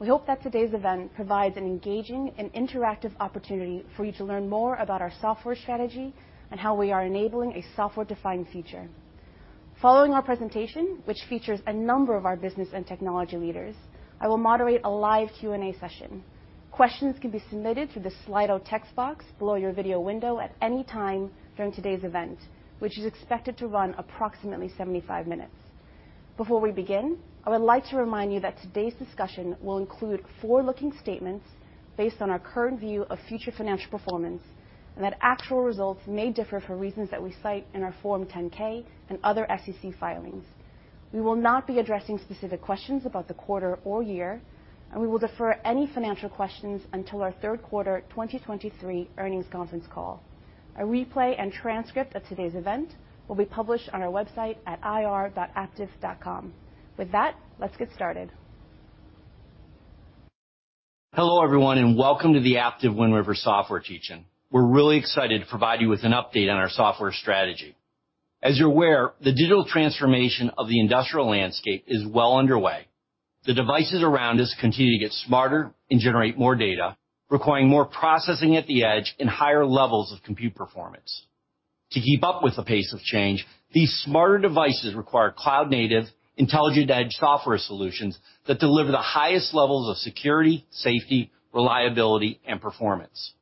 We hope that today's event provides an engaging and interactive opportunity for you to learn more about our software strategy and how we are enabling a software-defined future. Following our presentation, which features a number of our business and technology leaders, I will moderate a live Q&A session. Questions can be submitted through the Slido text box below your video window at any time during today's event, which is expected to run approximately 75 minutes. Before we begin, I would like to remind you that today's discussion will include forward-looking statements based on our current view of future financial performance, and that actual results may differ for reasons that we cite in our Form 10-K and other SEC filings. We will not be addressing specific questions about the quarter or year, and we will defer any financial questions until our third quarter 2023 earnings conference call. A replay and transcript of today's event will be published on our website at ir.aptiv.com. With that, let's get started. Hello, everyone, and welcome to the Aptiv Wind River Software Teach-In. We're really excited to provide you with an update on our software strategy. As you're aware, the digital transformation of the industrial landscape is well underway. The devices around us continue to get smarter and generate more data, requiring more processing at the edge and higher levels of compute performance. To keep up with the pace of change, these smarter devices require cloud-native, intelligent edge software solutions that deliver the highest levels of security, safety, reliability, and performance.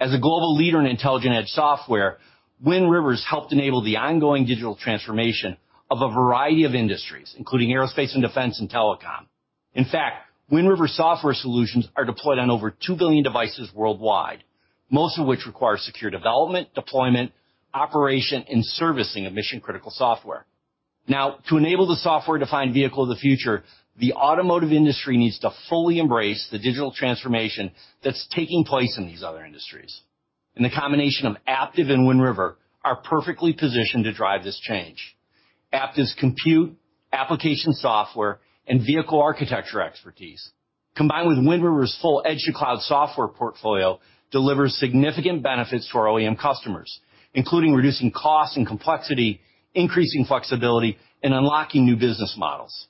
As a global leader in intelligent edge software, Wind River has helped enable the ongoing digital transformation of a variety of industries, including aerospace and defense and telecom. In fact, Wind River software solutions are deployed on over 2 billion devices worldwide, most of which require secure development, deployment, operation, and servicing of mission-critical software. Now, to enable the software-defined vehicle of the future, the automotive industry needs to fully embrace the digital transformation that's taking place in these other industries, and the combination of Aptiv and Wind River are perfectly positioned to drive this change. Aptiv's compute, application software, and vehicle architecture expertise, combined with Wind River's full edge to cloud software portfolio, delivers significant benefits to our OEM customers, including reducing costs and complexity, increasing flexibility, and unlocking new business models.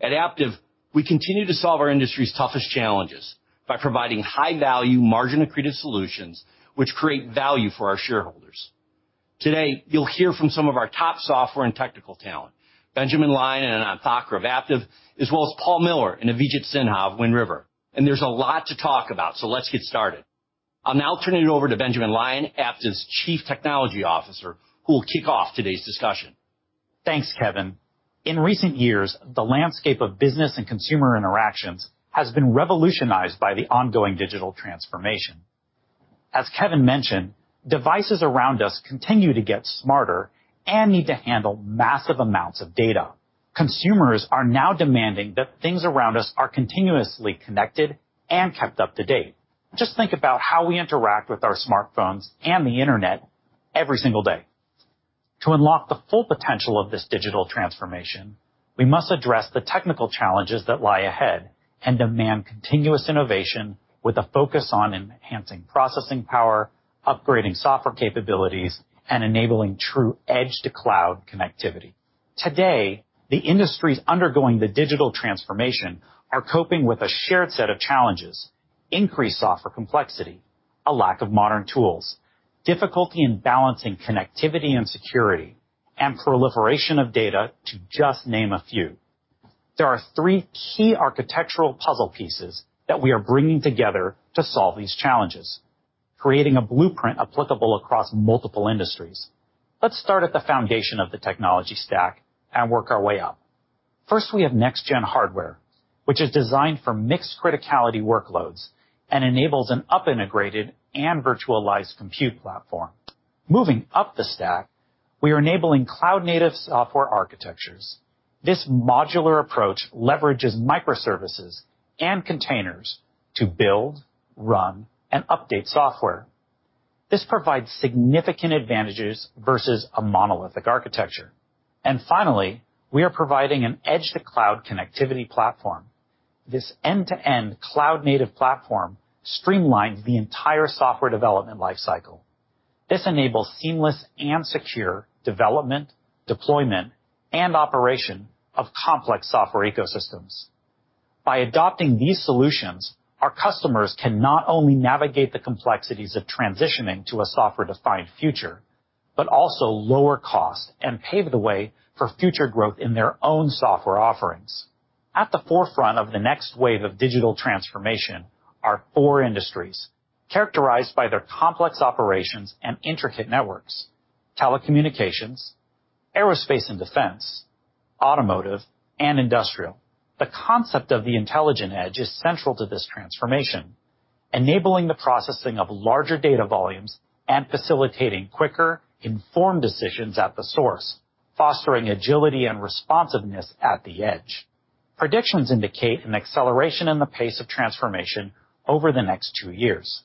At Aptiv, we continue to solve our industry's toughest challenges by providing high-value, margin-accretive solutions, which create value for our shareholders. Today, you'll hear from some of our top software and technical talent, Benjamin Lyon and Anant Thaker of Aptiv, as well as Paul Miller and Avijit Sinha of Wind River. There's a lot to talk about, so let's get started. I'll now turn it over to Benjamin Lyon, Aptiv's Chief Technology Officer, who will kick off today's discussion. Thanks, Kevin. In recent years, the landscape of business and consumer interactions has been revolutionized by the ongoing digital transformation. As Kevin mentioned, devices around us continue to get smarter and need to handle massive amounts of data. Consumers are now demanding that things around us are continuously connected and kept up to date. Just think about how we interact with our smartphones and the internet every single day. To unlock the full potential of this digital transformation, we must address the technical challenges that lie ahead and demand continuous innovation, with a focus on enhancing processing power, upgrading software capabilities, and enabling true edge to cloud connectivity. Today, the industries undergoing the digital transformation are coping with a shared set of challenges: increased software complexity, a lack of modern tools, difficulty in balancing connectivity and security, and proliferation of data, to just name a few. There are three key architectural puzzle pieces that we are bringing together to solve these challenges, creating a blueprint applicable across multiple industries. Let's start at the foundation of the technology stack and work our way up. First, we have next gen hardware, which is designed for mixed criticality workloads and enables an up-integrated and virtualized compute platform. Moving up the stack, we are enabling cloud-native software architectures. This modular approach leverages microservices and containers to build, run, and update software. This provides significant advantages versus a monolithic architecture. And finally, we are providing an edge-to-cloud connectivity platform. This end-to-end cloud-native platform streamlines the entire software development life cycle. This enables seamless and secure development, deployment, and operation of complex software ecosystems. By adopting these solutions, our customers can not only navigate the complexities of transitioning to a software-defined future, but also lower cost and pave the way for future growth in their own software offerings. At the forefront of the next wave of digital transformation are four industries characterized by their complex operations and intricate networks: telecommunications, aerospace and defense, automotive, and industrial. The concept of the intelligent edge is central to this transformation, enabling the processing of larger data volumes and facilitating quicker, informed decisions at the source, fostering agility and responsiveness at the edge. Predictions indicate an acceleration in the pace of transformation over the next two years.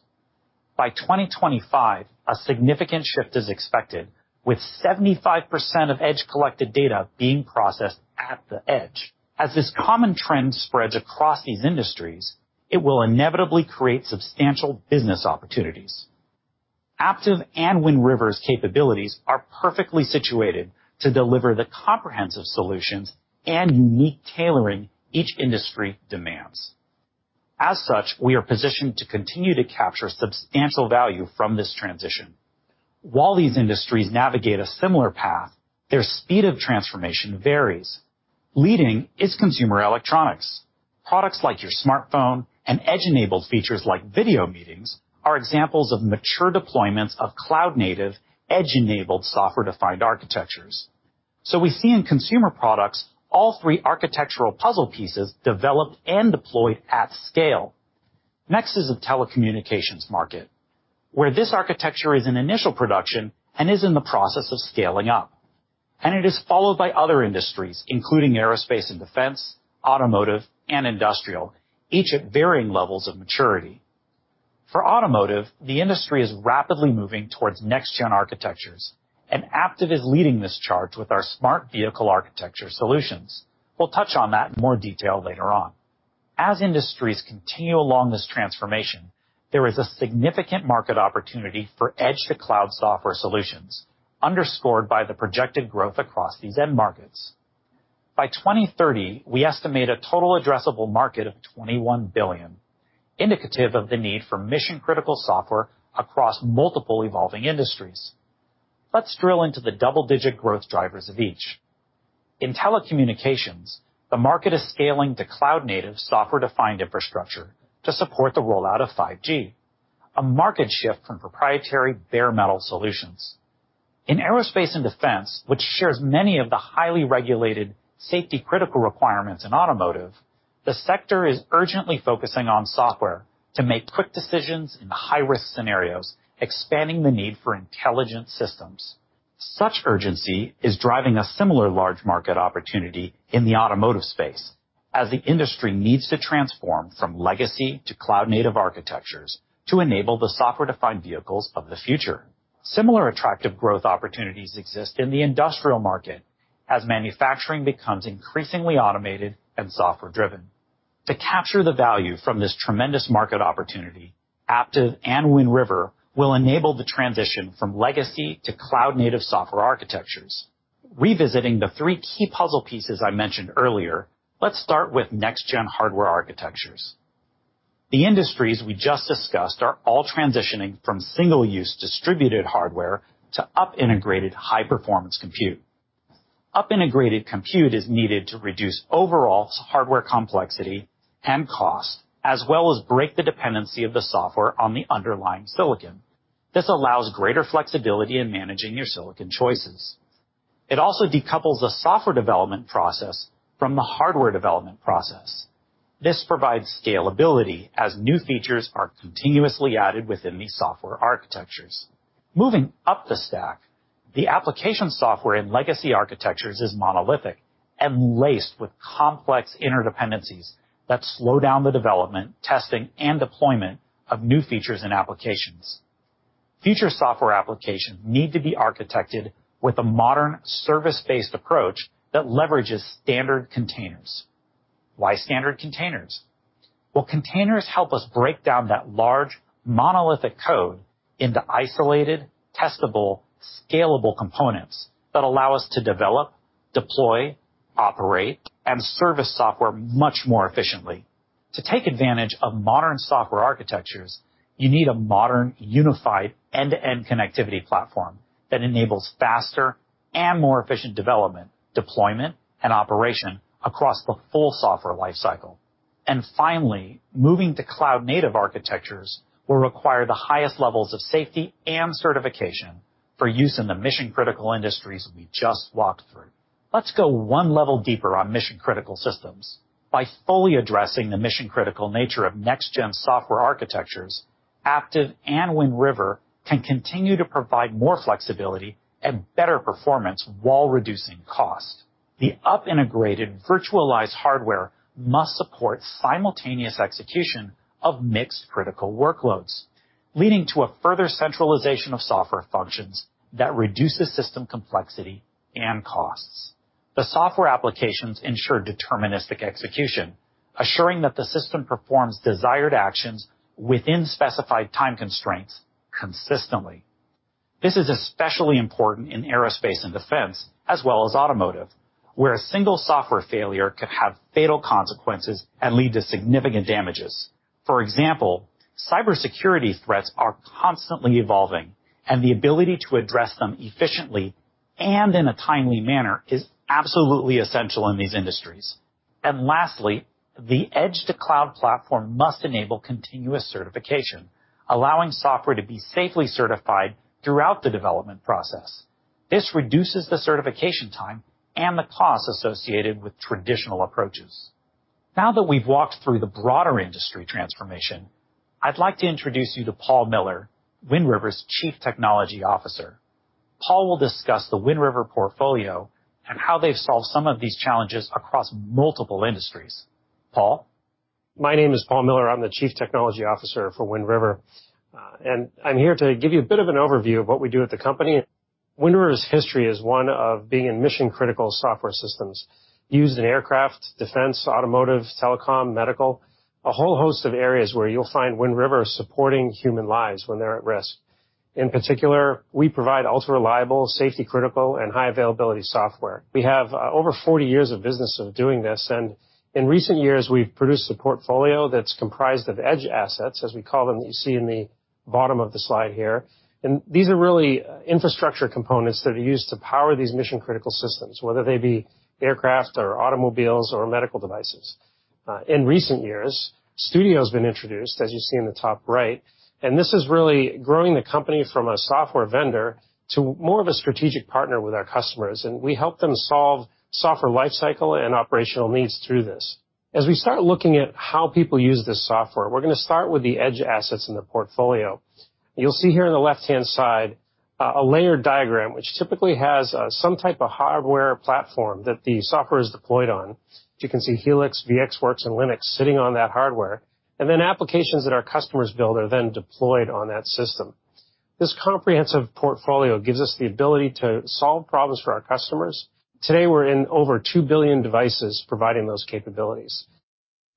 By 2025, a significant shift is expected, with 75% of edge-collected data being processed at the edge. As this common trend spreads across these industries, it will inevitably create substantial business opportunities.... Aptiv and Wind River's capabilities are perfectly situated to deliver the comprehensive solutions and unique tailoring each industry demands. As such, we are positioned to continue to capture substantial value from this transition. While these industries navigate a similar path, their speed of transformation varies. Leading is consumer electronics. Products like your smartphone and edge-enabled features like video meetings are examples of mature deployments of cloud-native, edge-enabled software-defined architectures. So we see in consumer products all three architectural puzzle pieces developed and deployed at scale. Next is the telecommunications market, where this architecture is in initial production and is in the process of scaling up, and it is followed by other industries, including aerospace and defense, automotive, and industrial, each at varying levels of maturity. For automotive, the industry is rapidly moving towards next-gen architectures, and Aptiv is leading this charge with our Smart Vehicle Architecture solutions. We'll touch on that in more detail later on. As industries continue along this transformation, there is a significant market opportunity for edge-to-cloud software solutions, underscored by the projected growth across these end markets. By 2030, we estimate a total addressable market of $21 billion, indicative of the need for mission-critical software across multiple evolving industries. Let's drill into the double-digit growth drivers of each. In telecommunications, the market is scaling to cloud-native, software-defined infrastructure to support the rollout of 5G, a market shift from proprietary bare metal solutions. In aerospace and defense, which shares many of the highly regulated safety-critical requirements in automotive, the sector is urgently focusing on software to make quick decisions in high-risk scenarios, expanding the need for intelligent systems. Such urgency is driving a similar large market opportunity in the automotive space, as the industry needs to transform from legacy to cloud-native architectures to enable the software-defined vehicles of the future. Similar attractive growth opportunities exist in the industrial market as manufacturing becomes increasingly automated and software-driven. To capture the value from this tremendous market opportunity, Aptiv and Wind River will enable the transition from legacy to cloud-native software architectures. Revisiting the three key puzzle pieces I mentioned earlier, let's start with next-gen hardware architectures. The industries we just discussed are all transitioning from single-use, distributed hardware to highly-integrated, high-performance compute. Highly-integrated compute is needed to reduce overall hardware complexity and cost, as well as break the dependency of the software on the underlying silicon. This allows greater flexibility in managing your silicon choices. It also decouples the software development process from the hardware development process. This provides scalability as new features are continuously added within these software architectures. Moving up the stack, the application software in legacy architectures is monolithic and laced with complex interdependencies that slow down the development, testing, and deployment of new features and applications. Future software applications need to be architected with a modern service-based approach that leverages standard containers. Why standard containers? Well, containers help us break down that large, monolithic code into isolated, testable, scalable components that allow us to develop, deploy, operate, and service software much more efficiently. To take advantage of modern software architectures, you need a modern, unified, end-to-end connectivity platform that enables faster and more efficient development, deployment, and operation across the full software life cycle. Finally, moving to cloud-native architectures will require the highest levels of safety and certification for use in the mission-critical industries we just walked through. Let's go one level deeper on mission-critical systems. By fully addressing the mission-critical nature of next-gen software architectures, Aptiv and Wind River can continue to provide more flexibility and better performance while reducing cost. The up-integrated virtualized hardware must support simultaneous execution of mixed critical workloads, leading to a further centralization of software functions that reduces system complexity and costs. The software applications ensure deterministic execution, assuring that the system performs desired actions within specified time constraints consistently. This is especially important in aerospace and defense, as well as automotive, where a single software failure could have fatal consequences and lead to significant damages. For example, cybersecurity threats are constantly evolving, and the ability to address them efficiently and in a timely manner is absolutely essential in these industries. Lastly, the edge-to-Cloud Platform must enable continuous certification, allowing software to be safely certified throughout the development process. This reduces the certification time and the costs associated with traditional approaches. Now that we've walked through the broader industry transformation, I'd like to introduce you to Paul Miller, Wind River's Chief Technology Officer. Paul will discuss the Wind River portfolio and how they've solved some of these challenges across multiple industries. Paul? My name is Paul Miller. I'm the Chief Technology Officer for Wind River, and I'm here to give you a bit of an overview of what we do at the company. Wind River's history is one of being in mission-critical software systems used in aircraft, defense, automotive, telecom, medical, a whole host of areas where you'll find Wind River supporting human lives when they're at risk. In particular, we provide ultra-reliable, safety-critical, and high-availability software. We have over 40 years of business of doing this, and in recent years, we've produced a portfolio that's comprised of edge assets, as we call them, that you see in the bottom of the slide here. These are really infrastructure components that are used to power these mission-critical systems, whether they be aircraft or automobiles or medical devices. In recent years, Studio's been introduced, as you see in the top right, and this is really growing the company from a software vendor to more of a strategic partner with our customers, and we help them solve software lifecycle and operational needs through this. As we start looking at how people use this software, we're gonna start with the edge assets in the portfolio. You'll see here on the left-hand side, a layered diagram, which typically has, some type of hardware platform that the software is deployed on. You can see Helix, VxWorks, and Linux sitting on that hardware, and then applications that our customers build are then deployed on that system. This comprehensive portfolio gives us the ability to solve problems for our customers. Today, we're in over 2 billion devices providing those capabilities.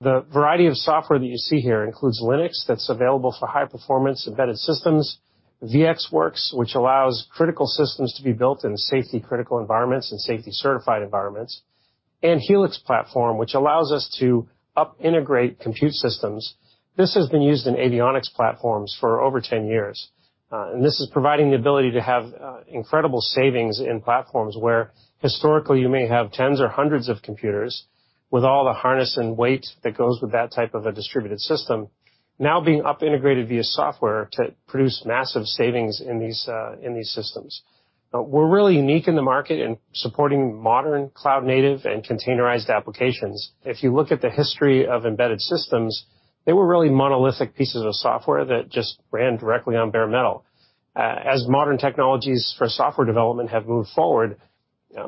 The variety of software that you see here includes Linux, that's available for high-performance embedded systems, VxWorks, which allows critical systems to be built in safety-critical environments and safety-certified environments, and Helix platform, which allows us to up-integrate compute systems. This has been used in avionics platforms for over 10 years, and this is providing the ability to have incredible savings in platforms where historically you may have tens or hundreds of computers with all the harness and weight that goes with that type of a distributed system, now being up-integrated via software to produce massive savings in these systems. We're really unique in the market in supporting modern cloud-native and containerized applications. If you look at the history of embedded systems, they were really monolithic pieces of software that just ran directly on bare metal. As modern technologies for software development have moved forward,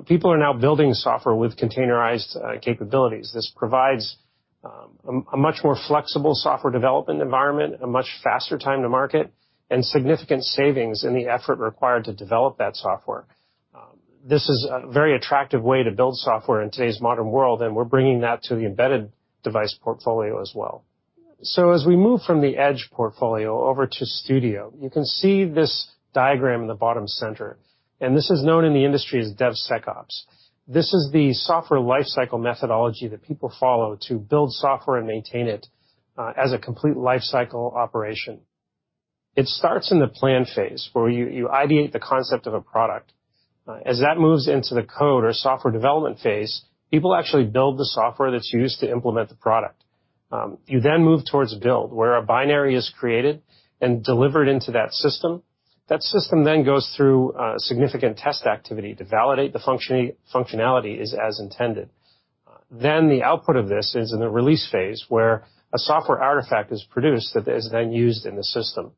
people are now building software with containerized capabilities. This provides a much more flexible software development environment, a much faster time to market, and significant savings in the effort required to develop that software. This is a very attractive way to build software in today's modern world, and we're bringing that to the embedded device portfolio as well. As we move from the edge portfolio over to studio, you can see this diagram in the bottom center, and this is known in the industry as DevSecOps. This is the software lifecycle methodology that people follow to build software and maintain it as a complete lifecycle operation. It starts in the plan phase, where you ideate the concept of a product. As that moves into the code or software development phase, people actually build the software that's used to implement the product. You then move towards build, where a binary is created and delivered into that system. That system then goes through significant test activity to validate the functionality is as intended. Then the output of this is in the release phase, where a software artifact is produced that is then used in the system.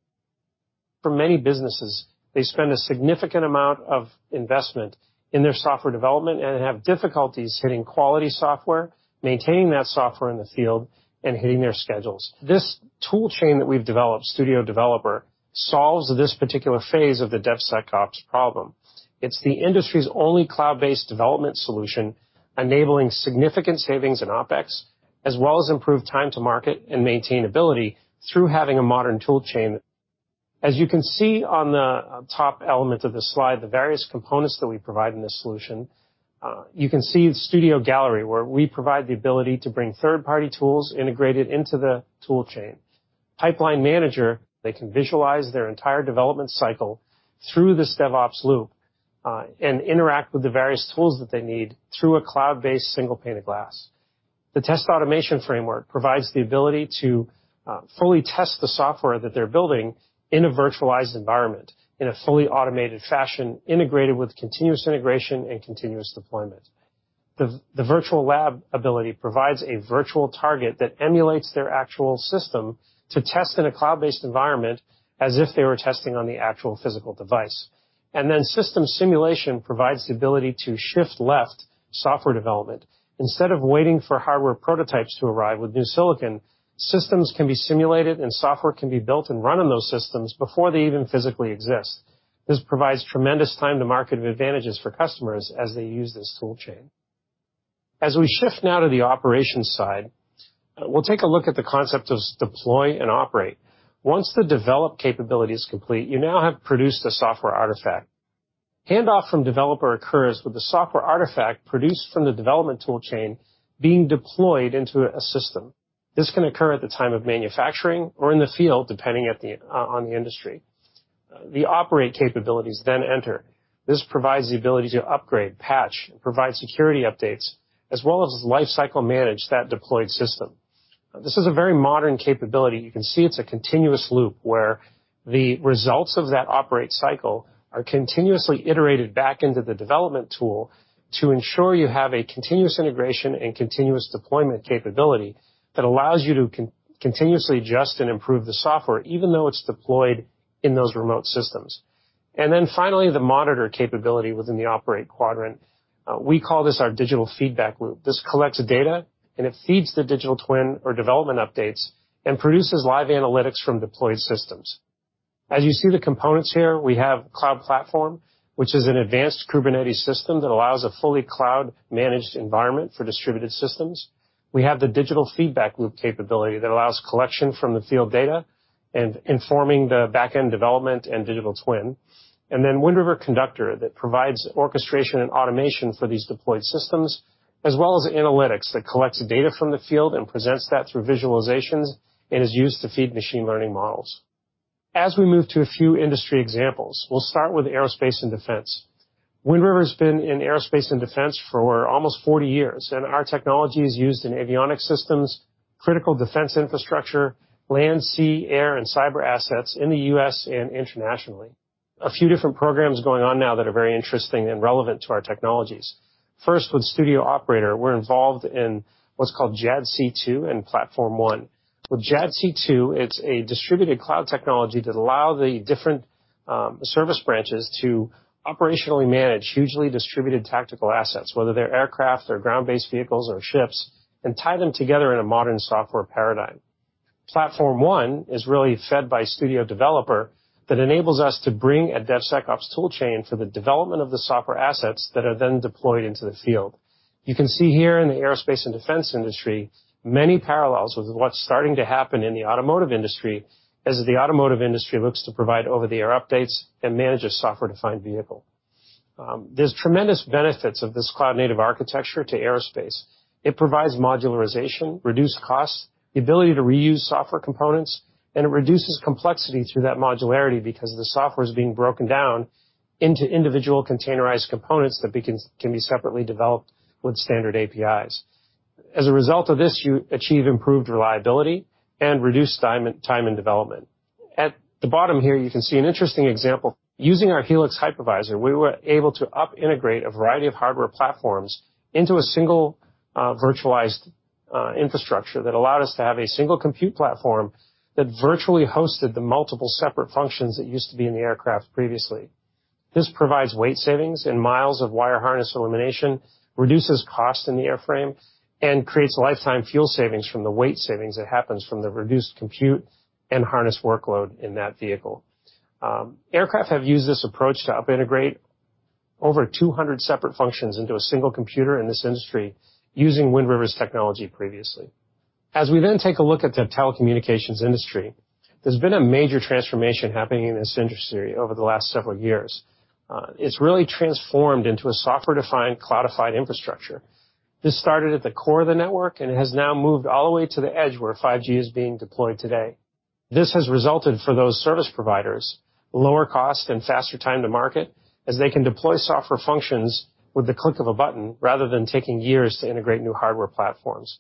For many businesses, they spend a significant amount of investment in their software development and have difficulties hitting quality software, maintaining that software in the field, and hitting their schedules. This tool chain that we've developed, Studio Developer, solves this particular phase of the DevSecOps problem. It's the industry's only cloud-based development solution, enabling significant savings in OpEx, as well as improved time to market and maintainability through having a modern tool chain. As you can see on the top element of the slide, the various components that we provide in this solution, you can see Studio Gallery, where we provide the ability to bring third-party tools integrated into the tool chain. Pipeline Manager, they can visualize their entire development cycle through this DevOps loop, and interact with the various tools that they need through a cloud-based single pane of glass. The test automation framework provides the ability to fully test the software that they're building in a virtualized environment, in a fully automated fashion, integrated with continuous integration and continuous deployment. The virtual lab ability provides a virtual target that emulates their actual system to test in a cloud-based environment as if they were testing on the actual physical device. Then system simulation provides the ability to shift left software development. Instead of waiting for hardware prototypes to arrive with new silicon, systems can be simulated, and software can be built and run on those systems before they even physically exist. This provides tremendous time to market advantages for customers as they use this tool chain. As we shift now to the operations side, we'll take a look at the concept of deploy and operate. Once the develop capability is complete, you now have produced a software artifact. Handoff from developer occurs with the software artifact produced from the development tool chain being deployed into a system. This can occur at the time of manufacturing or in the field, depending on the industry. The operate capabilities then enter. This provides the ability to upgrade, patch, and provide security updates, as well as lifecycle manage that deployed system. This is a very modern capability. You can see it's a continuous loop, where the results of that operate cycle are continuously iterated back into the development tool to ensure you have a continuous integration and continuous deployment capability that allows you to continuously adjust and improve the software, even though it's deployed in those remote systems. And then finally, the monitor capability within the operate quadrant. We call this our Digital Feedback Loop. This collects data, and it feeds the digital twin or development updates and produces live analytics from deployed systems.... As you see the components here, we have Cloud Platform, which is an advanced Kubernetes system that allows a fully cloud-managed environment for distributed systems. We have the Digital Feedback Loop capability that allows collection from the field data and informing the back-end development and digital twin. And then Wind River Conductor that provides orchestration and automation for these deployed systems, as well as analytics that collects data from the field and presents that through visualizations and is used to feed machine learning models. As we move to a few industry examples, we'll start with aerospace and defense. Wind River's been in aerospace and defense for almost 40 years, and our technology is used in avionics systems, critical defense infrastructure, land, sea, air, and cyber assets in the U.S. and internationally. A few different programs going on now that are very interesting and relevant to our technologies. First, with Studio Operator, we're involved in what's called JADC2 and Platform One. With JADC2, it's a distributed cloud technology that allow the different service branches to operationally manage hugely distributed tactical assets, whether they're aircraft or ground-based vehicles or ships, and tie them together in a modern software paradigm. Platform One is really fed by Studio Developer that enables us to bring a DevSecOps tool chain for the development of the software assets that are then deployed into the field. You can see here in the aerospace and defense industry, many parallels with what's starting to happen in the automotive industry as the automotive industry looks to provide over-the-air updates and manage a software-defined vehicle. There's tremendous benefits of this cloud-native architecture to aerospace. It provides modularization, reduced costs, the ability to reuse software components, and it reduces complexity through that modularity because the software is being broken down into individual containerized components that can be separately developed with standard APIs. As a result of this, you achieve improved reliability and reduced time in development. At the bottom here, you can see an interesting example. Using our Helix Virtualization Platform, we were able to up-integrate a variety of hardware platforms into a single, virtualized infrastructure that allowed us to have a single compute platform that virtually hosted the multiple separate functions that used to be in the aircraft previously. This provides weight savings and miles of wire harness elimination, reduces cost in the airframe, and creates lifetime fuel savings from the weight savings that happens from the reduced compute and harness workload in that vehicle. Aircraft have used this approach to help integrate over 200 separate functions into a single computer in this industry, using Wind River's technology previously. As we then take a look at the telecommunications industry, there's been a major transformation happening in this industry over the last several years. It's really transformed into a software-defined, cloudified infrastructure. This started at the core of the network and has now moved all the way to the edge, where 5G is being deployed today. This has resulted for those service providers, lower cost and faster time to market, as they can deploy software functions with the click of a button rather than taking years to integrate new hardware platforms.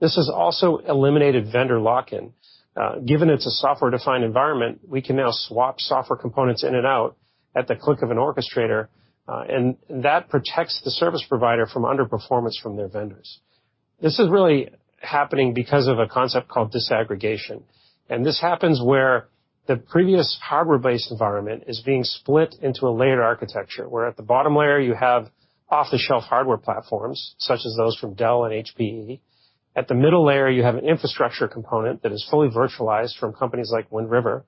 This has also eliminated vendor lock-in. Given it's a software-defined environment, we can now swap software components in and out at the click of an orchestrator, and that protects the service provider from underperformance from their vendors. This is really happening because of a concept called disaggregation, and this happens where the previous hardware-based environment is being split into a layered architecture, where at the bottom layer, you have off-the-shelf hardware platforms, such as those from Dell and HPE. At the middle layer, you have an infrastructure component that is fully virtualized from companies like Wind River.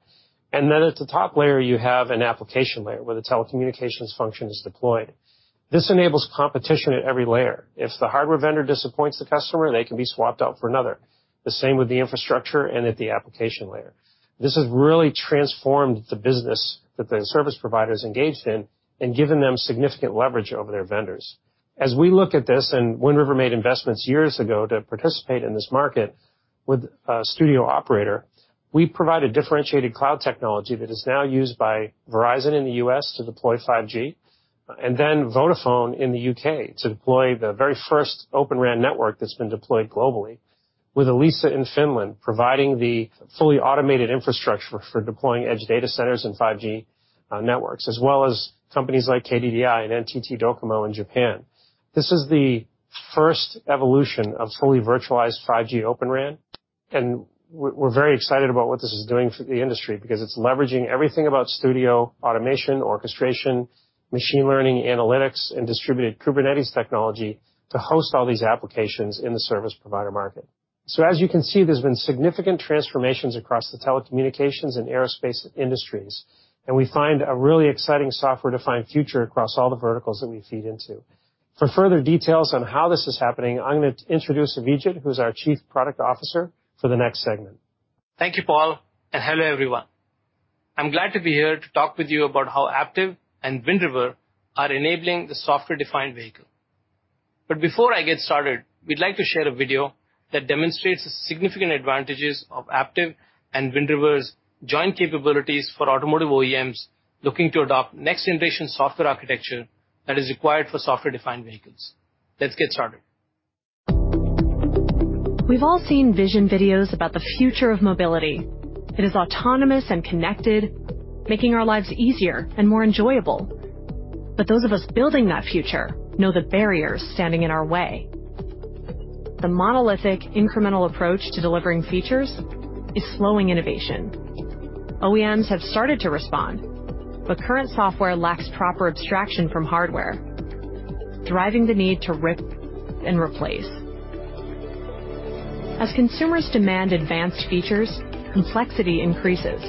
And then at the top layer, you have an application layer where the telecommunications function is deployed. This enables competition at every layer. If the hardware vendor disappoints the customer, they can be swapped out for another. The same with the infrastructure and at the application layer. This has really transformed the business that the service providers engaged in and given them significant leverage over their vendors. As we look at this, and Wind River made investments years ago to participate in this market with, Studio Operator, we provide a differentiated cloud technology that is now used by Verizon in the U.S. to deploy 5G, and then Vodafone in the U.K. to deploy the very first Open RAN network that's been deployed globally, with Elisa in Finland, providing the fully automated infrastructure for deploying edge data centers and 5G, networks, as well as companies like KDDI and NTT DOCOMO in Japan. This is the first evolution of fully virtualized 5G Open RAN, and we're very excited about what this is doing for the industry because it's leveraging everything about Studio, automation, orchestration, machine learning, analytics, and distributed Kubernetes technology to host all these applications in the service provider market. As you can see, there's been significant transformations across the telecommunications and aerospace industries, and we find a really exciting software-defined future across all the verticals that we feed into. For further details on how this is happening, I'm going to introduce Avijit, who's our Chief Product Officer, for the next segment. Thank you, Paul, and hello, everyone. I'm glad to be here to talk with you about how Aptiv and Wind River are enabling the software-defined vehicle. But before I get started, we'd like to share a video that demonstrates the significant advantages of Aptiv and Wind River's joint capabilities for automotive OEMs looking to adopt next-generation software architecture that is required for software-defined vehicles. Let's get started. We've all seen vision videos about the future of mobility. It is autonomous and connected, making our lives easier and more enjoyable. But those of us building that future know the barriers standing in our way. The monolithic, incremental approach to delivering features is slowing innovation. OEMs have started to respond, but current software lacks proper abstraction from hardware, driving the need to rip and replace. As consumers demand advanced features, complexity increases.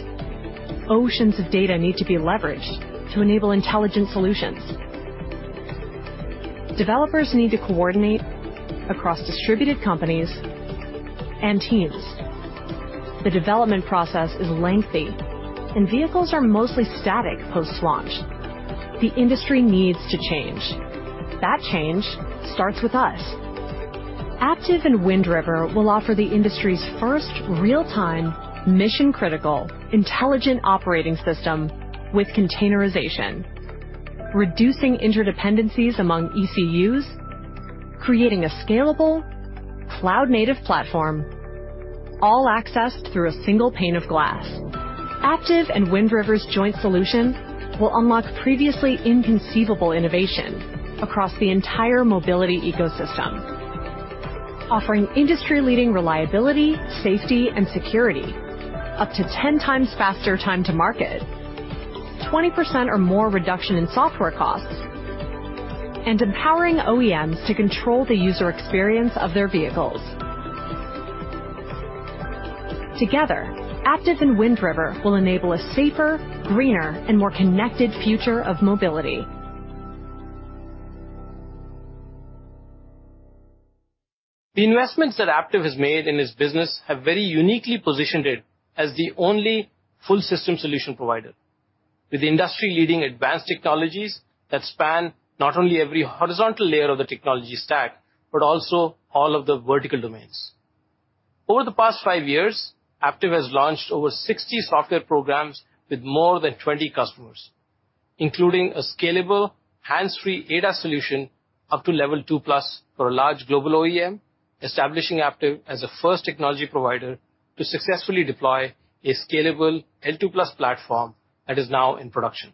Oceans of data need to be leveraged to enable intelligent solutions. Developers need to coordinate across distributed companies and teams. The development process is lengthy, and vehicles are mostly static post-launch. The industry needs to change. That change starts with us. Aptiv and Wind River will offer the industry's first real-time, mission-critical, intelligent operating system with containerization, reducing interdependencies among ECUs, creating a scalable cloud-native platform, all accessed through a single pane of glass. Aptiv and Wind River's joint solution will unlock previously inconceivable innovation across the entire mobility ecosystem, offering industry-leading reliability, safety, and security, up to 10x faster time to market, 20% or more reduction in software costs, and empowering OEMs to control the user experience of their vehicles. Together, Aptiv and Wind River will enable a safer, greener, and more connected future of mobility. The investments that Aptiv has made in this business have very uniquely positioned it as the only full system solution provider, with industry-leading advanced technologies that span not only every horizontal layer of the technology stack, but also all of the vertical domains. Over the past five years, Aptiv has launched over 60 software programs with more than 20 customers, including a scalable hands-free ADAS solution up to Level 2+ for a large global OEM, establishing Aptiv as a first technology provider to successfully deploy a scalable L2+ platform that is now in production.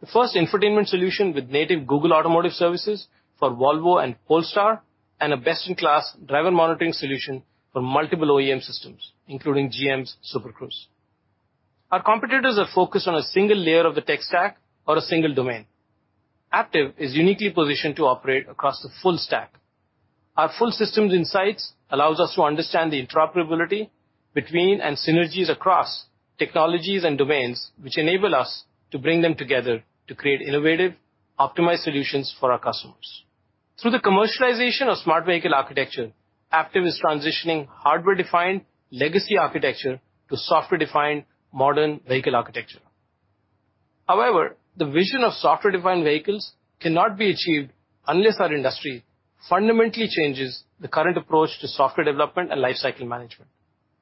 The first infotainment solution with native Google Automotive Services for Volvo and Polestar, and a best-in-class driver monitoring solution for multiple OEM systems, including GM's Super Cruise. Our competitors are focused on a single layer of the tech stack or a single domain. Aptiv is uniquely positioned to operate across the full stack. Our full systems insights allows us to understand the interoperability between and synergies across technologies and domains, which enable us to bring them together to create innovative, optimized solutions for our customers. Through the commercialization of Smart Vehicle Architecture, Aptiv is transitioning hardware-defined legacy architecture to software-defined modern vehicle architecture. However, the vision of software-defined vehicles cannot be achieved unless our industry fundamentally changes the current approach to software development and lifecycle management.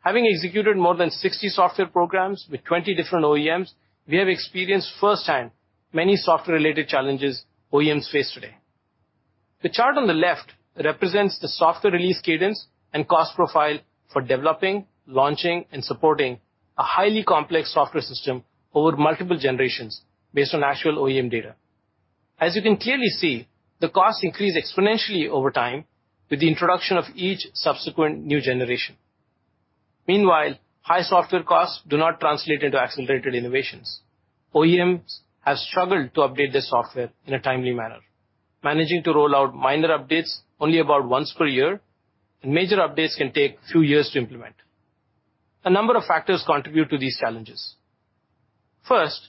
Having executed more than 60 software programs with 20 different OEMs, we have experienced firsthand many software-related challenges OEMs face today. The chart on the left represents the software release cadence and cost profile for developing, launching, and supporting a highly complex software system over multiple generations based on actual OEM data. As you can clearly see, the costs increase exponentially over time with the introduction of each subsequent new generation. Meanwhile, high software costs do not translate into accelerated innovations. OEMs have struggled to update their software in a timely manner, managing to roll out minor updates only about once per year, and major updates can take a few years to implement. A number of factors contribute to these challenges. First,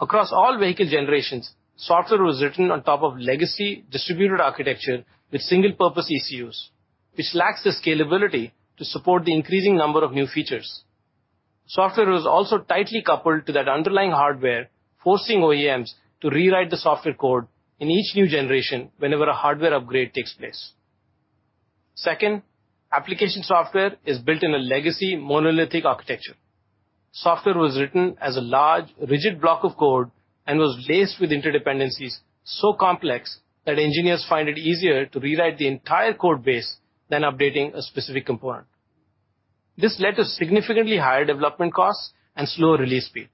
across all vehicle generations, software was written on top of legacy distributed architecture with single-purpose ECUs, which lacks the scalability to support the increasing number of new features. Software was also tightly coupled to that underlying hardware, forcing OEMs to rewrite the software code in each new generation whenever a hardware upgrade takes place. Second, application software is built in a legacy, monolithic architecture. Software was written as a large, rigid block of code and was laced with interdependencies so complex that engineers find it easier to rewrite the entire code base than updating a specific component. This led to significantly higher development costs and slower release speed.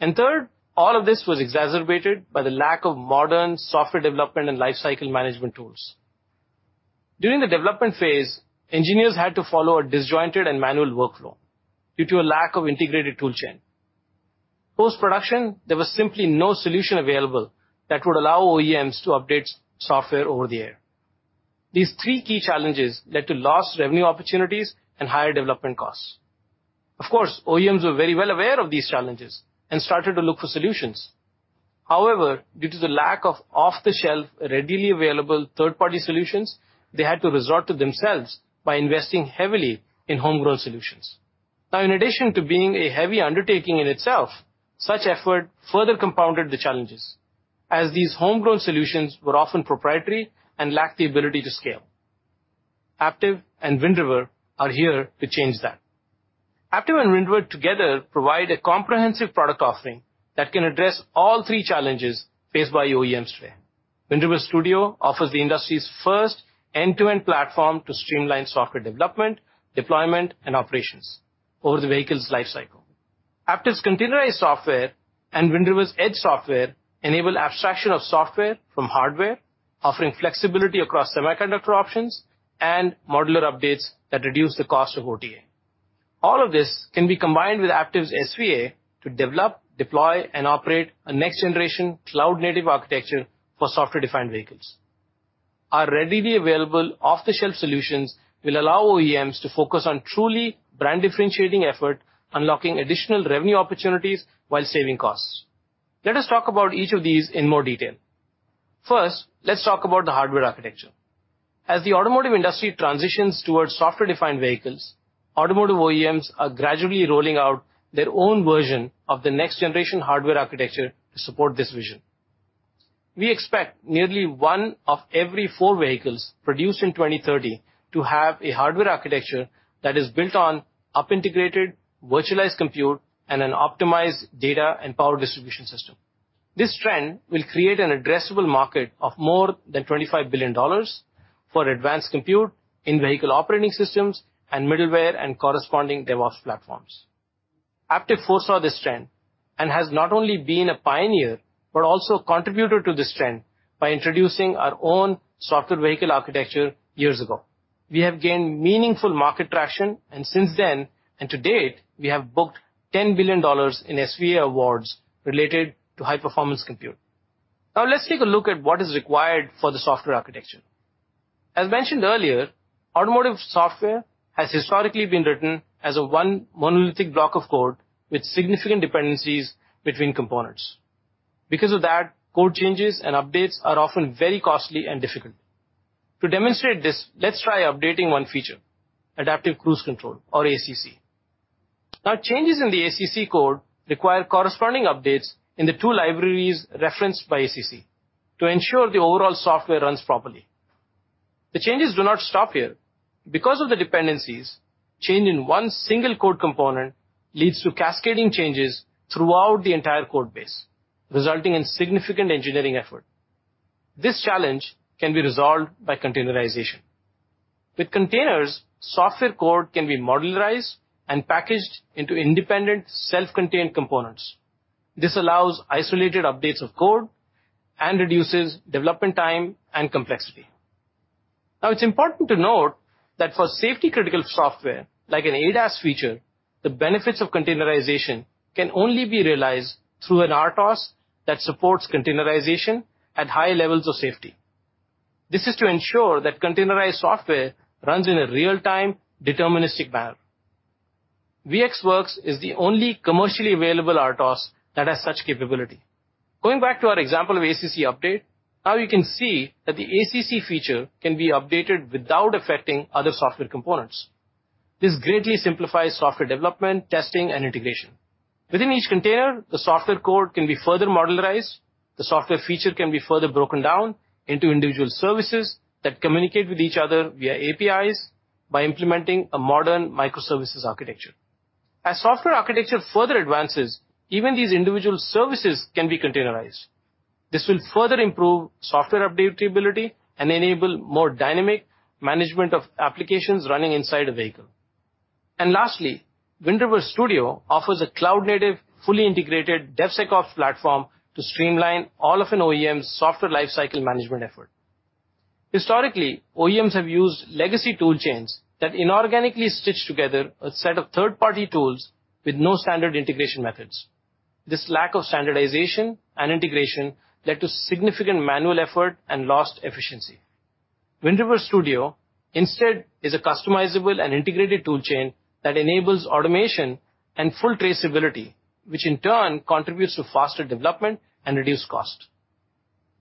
Third, all of this was exacerbated by the lack of modern software development and lifecycle management tools. During the development phase, engineers had to follow a disjointed and manual workflow due to a lack of integrated toolchain. Post-production, there was simply no solution available that would allow OEMs to update software over the air. These three key challenges led to lost revenue opportunities and higher development costs. Of course, OEMs were very well aware of these challenges and started to look for solutions. However, due to the lack of off-the-shelf, readily available third-party solutions, they had to resort to themselves by investing heavily in homegrown solutions. Now, in addition to being a heavy undertaking in itself, such effort further compounded the challenges, as these homegrown solutions were often proprietary and lacked the ability to scale. Aptiv and Wind River are here to change that. Aptiv and Wind River together provide a comprehensive product offering that can address all three challenges faced by OEMs today. Wind River Studio offers the industry's first end-to-end platform to streamline software development, deployment, and operations over the vehicle's lifecycle. Aptiv's containerized software and Wind River's edge software enable abstraction of software from hardware, offering flexibility across semiconductor options and modular updates that reduce the cost of OTA. All of this can be combined with Aptiv's SVA to develop, deploy, and operate a next-generation cloud-native architecture for software-defined vehicles. Our readily available off-the-shelf solutions will allow OEMs to focus on truly brand-differentiating effort, unlocking additional revenue opportunities while saving costs. Let us talk about each of these in more detail. First, let's talk about the hardware architecture. As the automotive industry transitions towards software-defined vehicles, automotive OEMs are gradually rolling out their own version of the next-generation hardware architecture to support this vision. We expect nearly one of every four vehicles produced in 2030 to have a hardware architecture that is built on highly integrated virtualized compute and an optimized data and power distribution system. This trend will create an addressable market of more than $25 billion for advanced compute in vehicle operating systems and middleware and corresponding DevOps platforms. Aptiv foresaw this trend and has not only been a pioneer, but also contributed to this trend by introducing our own software vehicle architecture years ago. We have gained meaningful market traction, and since then, and to date, we have booked $10 billion in SVA awards related to high-performance compute. Now let's take a look at what is required for the software architecture. As mentioned earlier, automotive software has historically been written as a one monolithic block of code with significant dependencies between components. Because of that, code changes and updates are often very costly and difficult. To demonstrate this, let's try updating one feature, Adaptive Cruise Control, or ACC. Now, changes in the ACC code require corresponding updates in the two libraries referenced by ACC to ensure the overall software runs properly. The changes do not stop here. Because of the dependencies, change in one single code component leads to cascading changes throughout the entire code base, resulting in significant engineering effort. This challenge can be resolved by containerization. With containers, software code can be modularized and packaged into independent, self-contained components. This allows isolated updates of code and reduces development time and complexity. Now, it's important to note that for safety-critical software like an ADAS feature, the benefits of containerization can only be realized through an RTOS that supports containerization at high levels of safety. This is to ensure that containerized software runs in a real-time, deterministic manner. VxWorks is the only commercially available RTOS that has such capability. Going back to our example of ACC update, now you can see that the ACC feature can be updated without affecting other software components. This greatly simplifies software development, testing, and integration. Within each container, the software code can be further modularized. The software feature can be further broken down into individual services that communicate with each other via APIs by implementing a modern microservices architecture. As software architecture further advances, even these individual services can be containerized. This will further improve software updateability and enable more dynamic management of applications running inside a vehicle. And lastly, Wind River Studio offers a cloud-native, fully integrated DevSecOps platform to streamline all of an OEM's software lifecycle management effort. Historically, OEMs have used legacy tool chains that inorganically stitch together a set of third-party tools with no standard integration methods. This lack of standardization and integration led to significant manual effort and lost efficiency. Wind River Studio, instead, is a customizable and integrated tool chain that enables automation and full traceability, which in turn contributes to faster development and reduced cost.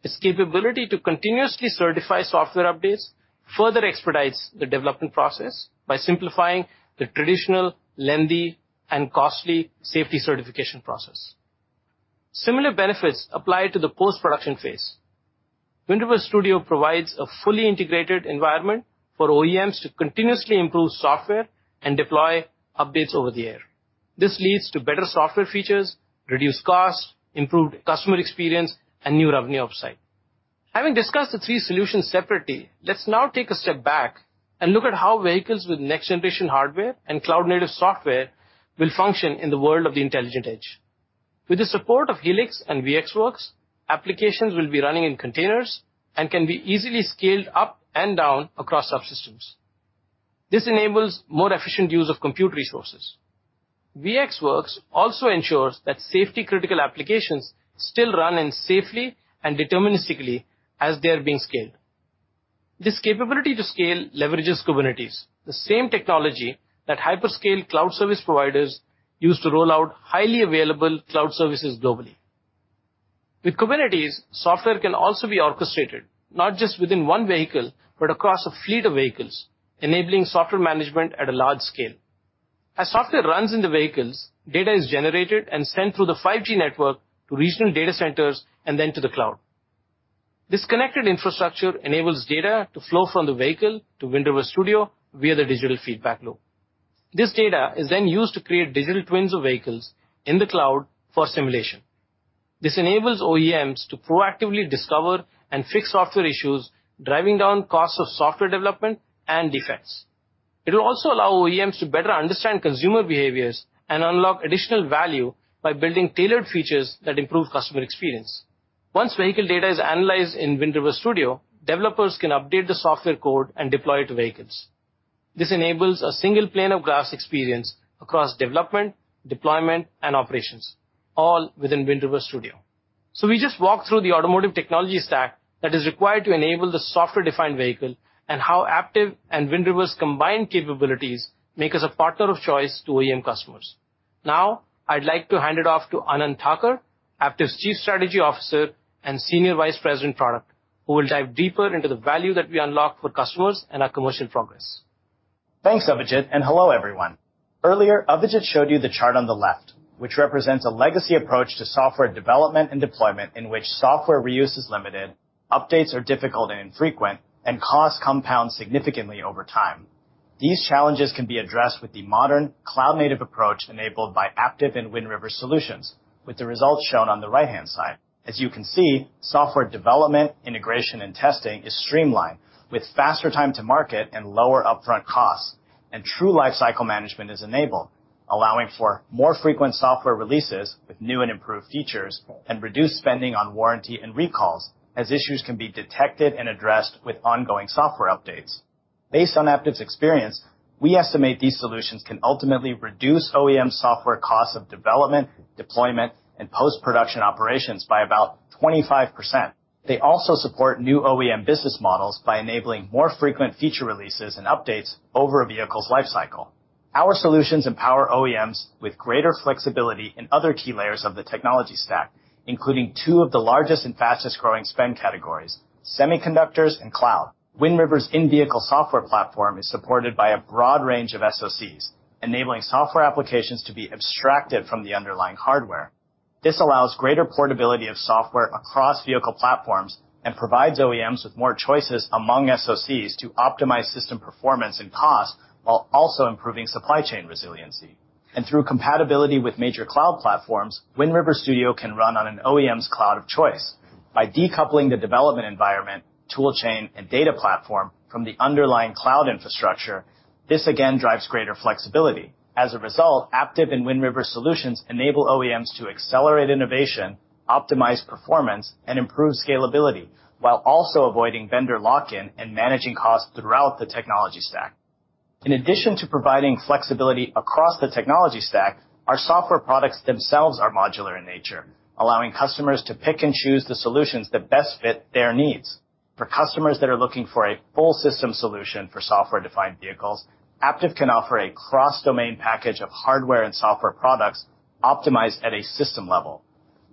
Its capability to continuously certify software updates further expedites the development process by simplifying the traditional, lengthy, and costly safety certification process. Similar benefits apply to the post-production phase. Wind River Studio provides a fully integrated environment for OEMs to continuously improve software and deploy updates over the air. This leads to better software features, reduced costs, improved customer experience, and new revenue upside. Having discussed the three solutions separately, let's now take a step back and look at how vehicles with next-generation hardware and cloud-native software will function in the world of the intelligent edge. With the support of Helix and VxWorks, applications will be running in containers and can be easily scaled up and down across subsystems. This enables more efficient use of compute resources. VxWorks also ensures that safety-critical applications still run in safely and deterministically as they are being scaled. This capability to scale leverages Kubernetes, the same technology that hyperscale cloud service providers use to roll out highly available cloud services globally. With Kubernetes, software can also be orchestrated, not just within one vehicle, but across a fleet of vehicles, enabling software management at a large scale. As software runs in the vehicles, data is generated and sent through the 5G network to regional data centers and then to the cloud. This connected infrastructure enables data to flow from the vehicle to Wind River Studio via the Digital Feedback Loop. This data is then used to create digital twins of vehicles in the cloud for simulation. This enables OEMs to proactively discover and fix software issues, driving down costs of software development and defects. It will also allow OEMs to better understand consumer behaviors and unlock additional value by building tailored features that improve customer experience.... Once vehicle data is analyzed in Wind River Studio, developers can update the software code and deploy it to vehicles. This enables a single pane of glass experience across development, deployment, and operations, all within Wind River Studio. We just walked through the automotive technology stack that is required to enable the software-defined vehicle and how Aptiv and Wind River's combined capabilities make us a partner of choice to OEM customers. Now, I'd like to hand it off to Anant Thakur, Aptiv's Chief Strategy Officer and Senior Vice President, Product, who will dive deeper into the value that we unlock for customers and our commercial progress. Thanks, Avijit, and hello, everyone. Earlier, Avijit showed you the chart on the left, which represents a legacy approach to software development and deployment, in which software reuse is limited, updates are difficult and infrequent, and cost compounds significantly over time. These challenges can be addressed with the modern cloud-native approach enabled by Aptiv and Wind River Solutions, with the results shown on the right-hand side. As you can see, software development, integration, and testing is streamlined, with faster time to market and lower upfront costs. True lifecycle management is enabled, allowing for more frequent software releases with new and improved features, and reduced spending on warranty and recalls, as issues can be detected and addressed with ongoing software updates. Based on Aptiv's experience, we estimate these solutions can ultimately reduce OEM software costs of development, deployment, and post-production operations by about 25%. They also support new OEM business models by enabling more frequent feature releases and updates over a vehicle's life cycle. Our solutions empower OEMs with greater flexibility in other key layers of the technology stack, including two of the largest and fastest growing spend categories, semiconductors and cloud. Wind River's in-vehicle software platform is supported by a broad range of SoCs, enabling software applications to be abstracted from the underlying hardware. This allows greater portability of software across vehicle platforms and provides OEMs with more choices among SoCs to optimize system performance and cost, while also improving supply chain resiliency. Through compatibility with major Cloud Platforms, Wind River Studio can run on an OEM's cloud of choice. By decoupling the development environment, tool chain, and data platform from the underlying cloud infrastructure, this again drives greater flexibility. As a result, Aptiv and Wind River solutions enable OEMs to accelerate innovation, optimize performance, and improve scalability, while also avoiding vendor lock-in and managing costs throughout the technology stack. In addition to providing flexibility across the technology stack, our software products themselves are modular in nature, allowing customers to pick and choose the solutions that best fit their needs. For customers that are looking for a full system solution for software-defined vehicles, Aptiv can offer a cross-domain package of hardware and software products optimized at a system level.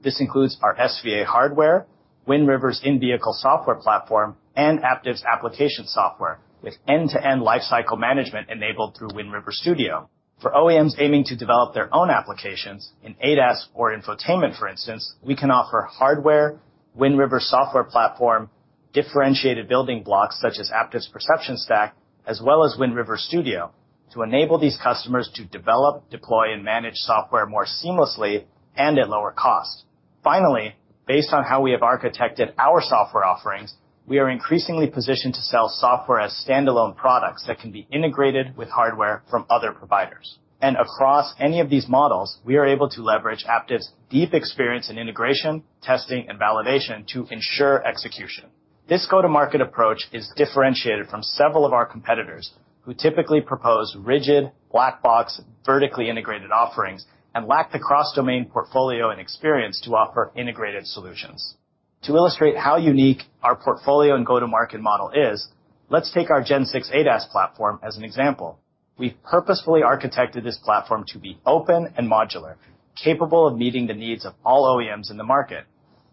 This includes our SVA hardware, Wind River's in-vehicle software platform, and Aptiv's application software, with end-to-end lifecycle management enabled through Wind River Studio. For OEMs aiming to develop their own applications in ADAS or infotainment, for instance, we can offer hardware, Wind River software platform, differentiated building blocks such as Aptiv's perception stack, as well as Wind River Studio, to enable these customers to develop, deploy, and manage software more seamlessly and at lower cost. Finally, based on how we have architected our software offerings, we are increasingly positioned to sell software as standalone products that can be integrated with hardware from other providers. Across any of these models, we are able to leverage Aptiv's deep experience in integration, testing, and validation to ensure execution. This go-to-market approach is differentiated from several of our competitors, who typically propose rigid, black box, vertically integrated offerings and lack the cross-domain portfolio and experience to offer integrated solutions. To illustrate how unique our portfolio and go-to-market model is, let's take our Gen 6 ADAS platform as an example. We've purposefully architected this platform to be open and modular, capable of meeting the needs of all OEMs in the market.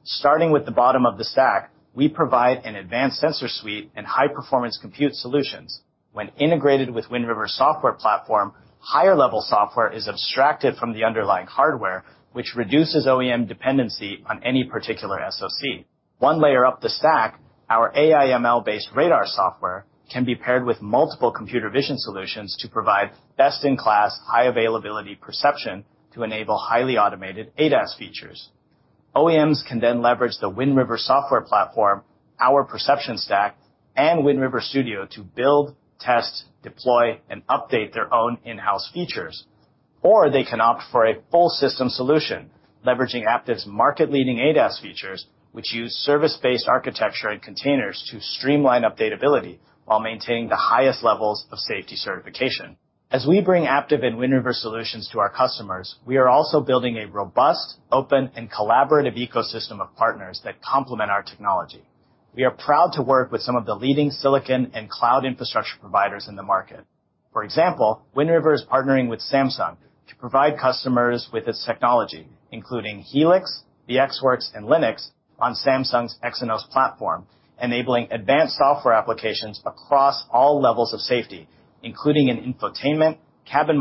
Starting with the bottom of the stack, we provide an advanced sensor suite and high-performance compute solutions. When integrated with Wind River software platform, higher-level software is abstracted from the underlying hardware, which reduces OEM dependency on any particular SoC. One layer up the stack, our AI/ML-based radar software can be paired with multiple computer vision solutions to provide best-in-class, high availability perception to enable highly automated ADAS features. OEMs can then leverage the Wind River software platform, our perception stack, and Wind River Studio to build, test, deploy, and update their own in-house features, or they can opt for a full system solution, leveraging Aptiv's market-leading ADAS features, which use service-based architecture and containers to streamline updatability while maintaining the highest levels of safety certification. As we bring Aptiv and Wind River solutions to our customers, we are also building a robust, open, and collaborative ecosystem of partners that complement our technology. We are proud to work with some of the leading silicon and cloud infrastructure providers in the market. For example, Wind River is partnering with Samsung to provide customers with its technology, including Helix, VxWorks, and Linux on Samsung's Exynos platform, enabling advanced software applications across all levels of safety, including in infotainment, cabin,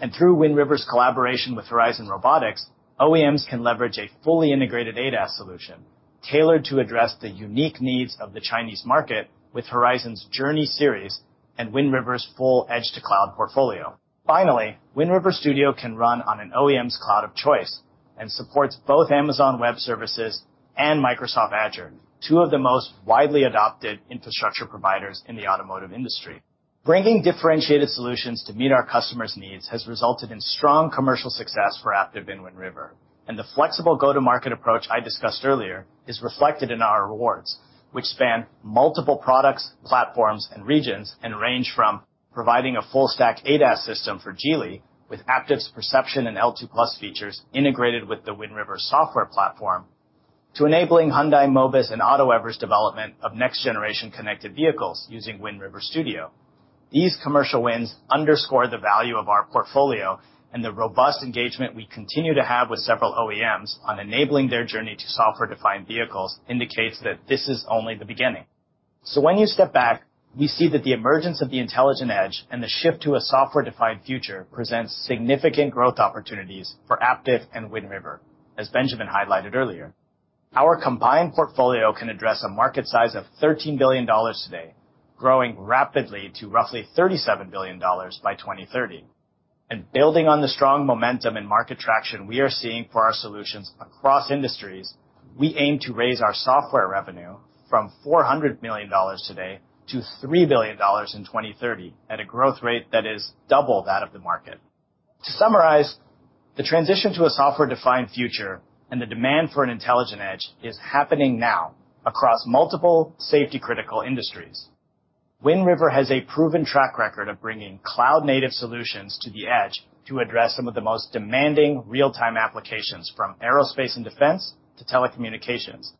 and through Wind River's collaboration with Horizon Robotics, OEMs can leverage a fully integrated ADAS solution tailored to address the unique needs of the Chinese market with Horizon's Journey series and Wind River's full edge-to-cloud portfolio. Finally, Wind River Studio can run on an OEM's cloud of choice and supports both Amazon Web Services and Microsoft Azure, two of the most widely adopted infrastructure providers in the automotive industry. Bringing differentiated solutions to meet our customers' needs has resulted in strong commercial success for Aptiv and Wind River, and the flexible go-to-market approach I discussed earlier is reflected in our awards, which span multiple products, platforms, and regions, and range from providing a full stack ADAS system for Geely, with Aptiv's perception and L2+ features integrated with the Wind River software platform, to enabling Hyundai Mobis and Autoever's development of next generation connected vehicles using Wind River Studio. These commercial wins underscore the value of our portfolio and the robust engagement we continue to have with several OEMs on enabling their journey to software-defined vehicles, indicates that this is only the beginning. So when you step back, we see that the emergence of the intelligent edge and the shift to a software-defined future presents significant growth opportunities for Aptiv and Wind River, as Benjamin highlighted earlier. Our combined portfolio can address a market size of $13 billion today, growing rapidly to roughly $37 billion by 2030. Building on the strong momentum and market traction we are seeing for our solutions across industries, we aim to raise our software revenue from $400 million today to $3 billion in 2030, at a growth rate that is double that of the market. To summarize, the transition to a software-defined future and the demand for an intelligent edge is happening now across multiple safety-critical industries. Wind River has a proven track record of bringing cloud-native solutions to the edge to address some of the most demanding real-time applications, from aerospace and defense to telecommunications.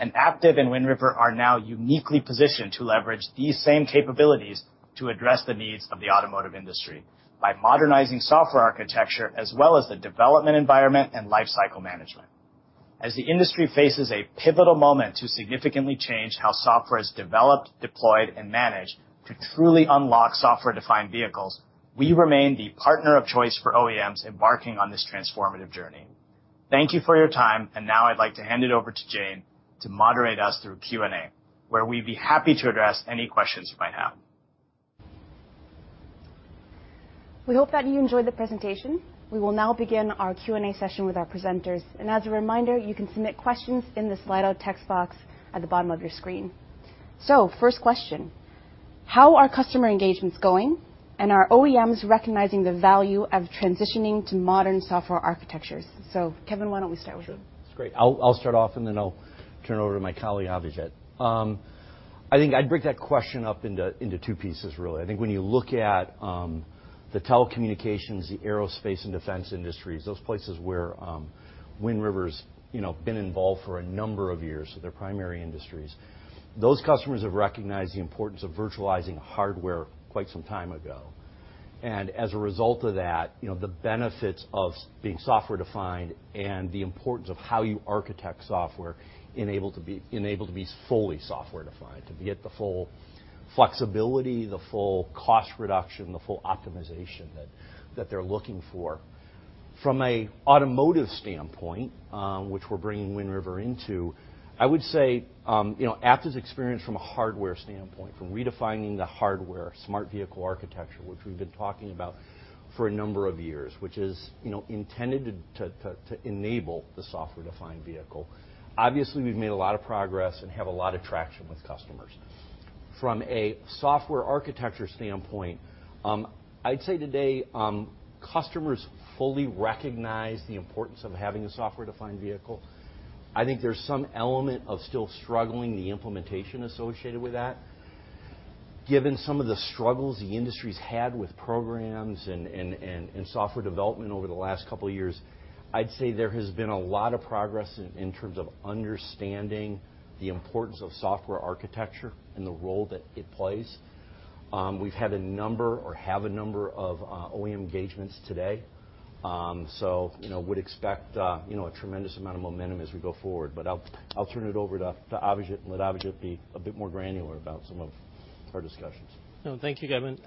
Aptiv and Wind River are now uniquely positioned to leverage these same capabilities to address the needs of the automotive industry by modernizing software architecture as well as the development environment and lifecycle management. As the industry faces a pivotal moment to significantly change how software is developed, deployed, and managed to truly unlock software-defined vehicles, we remain the partner of choice for OEMs embarking on this transformative journey. Thank you for your time, and now I'd like to hand it over to Jane to moderate us through Q&A, where we'd be happy to address any questions you might have. We hope that you enjoyed the presentation. We will now begin our Q&A session with our presenters. As a reminder, you can submit questions in the slide out text box at the bottom of your screen. First question: How are customer engagements going, and are OEMs recognizing the value of transitioning to modern software architectures? Kevin, why don't we start with you? Sure. Great. I'll start off, and then I'll turn it over to my colleague, Avijit. I think I'd break that question up into two pieces, really. I think when you look at the telecommunications, the aerospace and defense industries, those places where Wind River's, you know, been involved for a number of years, so their primary industries, those customers have recognized the importance of virtualizing hardware quite some time ago. And as a result of that, you know, the benefits of being software-defined and the importance of how you architect software enable to be fully software-defined, to get the full flexibility, the full cost reduction, the full optimization that they're looking for. From an automotive standpoint, which we're bringing Wind River into, I would say, you know, Aptiv's experience from a hardware standpoint, from redefining the hardware, Smart Vehicle Architecture, which we've been talking about for a number of years, which is, you know, intended to enable the software-defined vehicle. Obviously, we've made a lot of progress and have a lot of traction with customers. From a software architecture standpoint, I'd say today, customers fully recognize the importance of having a software-defined vehicle. I think there's some element of still struggling the implementation associated with that. Given some of the struggles the industry's had with programs and software development over the last couple of years, I'd say there has been a lot of progress in terms of understanding the importance of software architecture and the role that it plays. We've had a number or have a number of, you know, OEM engagements today. You know, would expect, you know, a tremendous amount of momentum as we go forward. I'll turn it over to Avijit and let Avijit be a bit more granular about some of our discussions. No. Thank you, Kevin.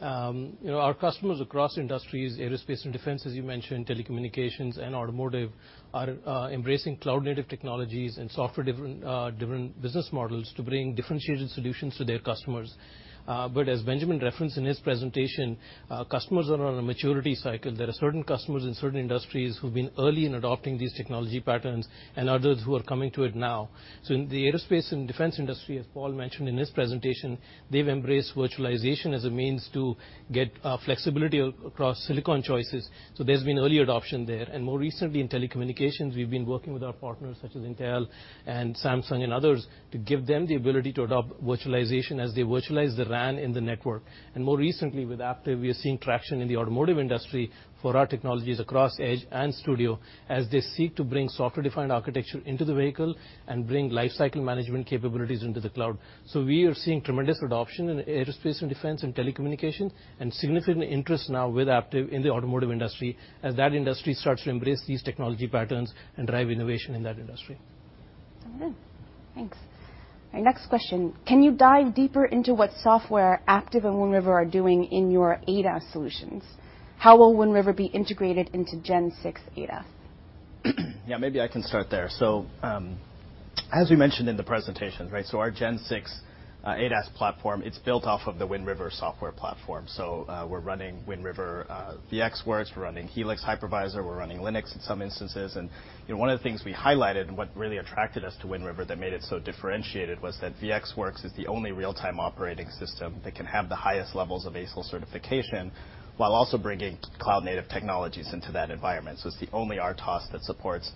You know, our customers across industries, aerospace and defense, as you mentioned, telecommunications and automotive, are embracing cloud-native technologies and software-defined, different business models to bring differentiated solutions to their customers. But as Benjamin referenced in his presentation, customers are on a maturity cycle. There are certain customers in certain industries who've been early in adopting these technology patterns and others who are coming to it now. So in the aerospace and defense industry, as Paul mentioned in his presentation, they've embraced virtualization as a means to get flexibility across silicon choices, so there's been early adoption there. And more recently, in telecommunications, we've been working with our partners, such as Intel and Samsung and others, to give them the ability to adopt virtualization as they virtualize the RAN in the network. More recently, with Aptiv, we are seeing traction in the automotive industry for our technologies across Edge and Studio as they seek to bring software-defined architecture into the vehicle and bring lifecycle management capabilities into the cloud. We are seeing tremendous adoption in aerospace and defense and telecommunications, and significant interest now with Aptiv in the automotive industry, as that industry starts to embrace these technology patterns and drive innovation in that industry. Good. Thanks. Our next question: Can you dive deeper into what software Aptiv and Wind River are doing in your ADAS solutions? How will Wind River be integrated into Gen 6 ADAS?... Yeah, maybe I can start there. So, as we mentioned in the presentation, right, so our Gen 6 ADAS platform, it's built off of the Wind River software platform. So, we're running Wind River VxWorks, we're running Helix Hypervisor, we're running Linux in some instances. And, you know, one of the things we highlighted and what really attracted us to Wind River that made it so differentiated, was that VxWorks is the only real-time operating system that can have the highest levels of ASIL certification, while also bringing cloud-native technologies into that environment. So it's the only RTOS that supports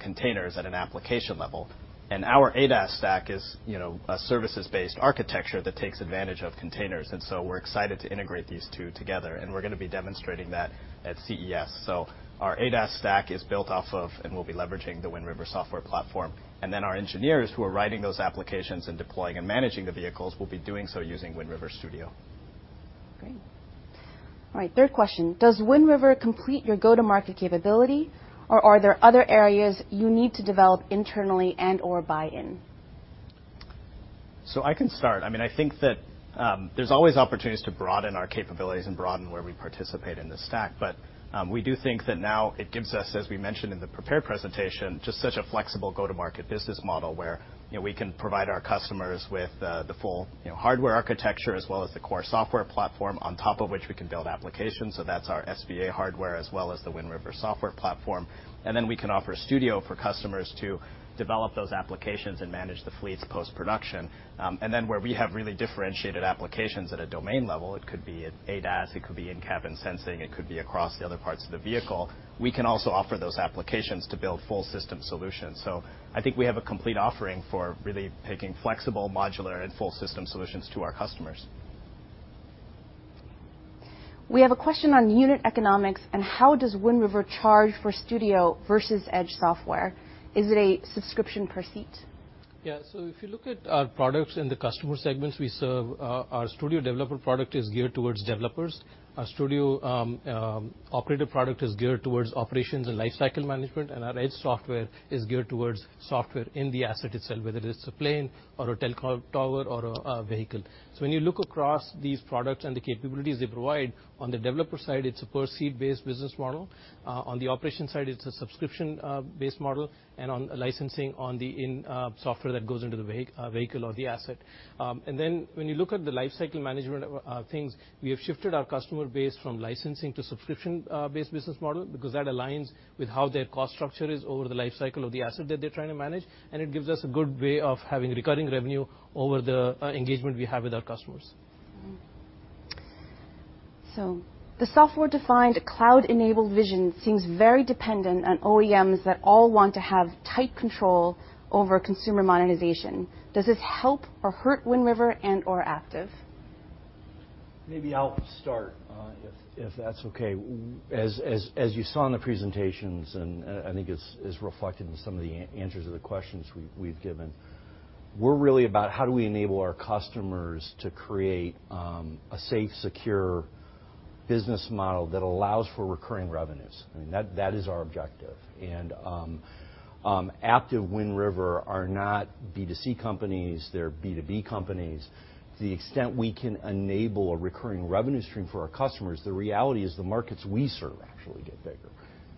containers at an application level. And our ADAS stack is, you know, a services-based architecture that takes advantage of containers, and so we're excited to integrate these two together, and we're gonna be demonstrating that at CES. So our ADAS stack is built off of, and we'll be leveraging the Wind River software platform. And then, our engineers, who are writing those applications and deploying and managing the vehicles, will be doing so using Wind River Studio. Great. All right, third question: Does Wind River complete your go-to-market capability, or are there other areas you need to develop internally and/or buy in? I can start. I mean, I think that there's always opportunities to broaden our capabilities and broaden where we participate in this stack, but we do think that now it gives us, as we mentioned in the prepared presentation, just such a flexible go-to-market business model, where, you know, we can provide our customers with the full, you know, hardware architecture, as well as the core software platform, on top of which we can build applications. That's our SVA hardware, as well as the Wind River software platform. Then we can offer a studio for customers to develop those applications and manage the fleets post-production. And then, where we have really differentiated applications at a domain level, it could be at ADAS, it could be in-cabin sensing, it could be across the other parts of the vehicle, we can also offer those applications to build full-system solutions. So I think we have a complete offering for really taking flexible, modular and full-system solutions to our customers. We have a question on unit economics, and how does Wind River charge for Studio versus Edge software? Is it a subscription per seat? Yeah. So if you look at our products in the customer segments we serve, our Studio Developer product is geared towards developers. Our Studio Operator product is geared towards operations and lifecycle management, and our Edge software is geared towards software in the asset itself, whether it's a plane or a telecom tower or a vehicle. So when you look across these products and the capabilities they provide, on the developer side, it's a per-seat-based business model. On the operation side, it's a subscription-based model and on licensing of the in-vehicle software that goes into the vehicle or the asset. And then, when you look at the lifecycle management things, we have shifted our customer base from licensing to subscription based business model because that aligns with how their cost structure is over the life cycle of the asset that they're trying to manage, and it gives us a good way of having recurring revenue over the engagement we have with our customers. Mm-hmm. So the software-defined cloud-enabled vision seems very dependent on OEMs that all want to have tight control over consumer monetization. Does this help or hurt Wind River and/or Aptiv? Maybe I'll start if that's okay. As you saw in the presentations, and I think it's reflected in some of the answers to the questions we've given, we're really about: how do we enable our customers to create a safe, secure business model that allows for recurring revenues? I mean, that is our objective. Aptiv, Wind River are not B2C companies, they're B2B companies. To the extent we can enable a recurring revenue stream for our customers, the reality is the markets we serve actually get bigger.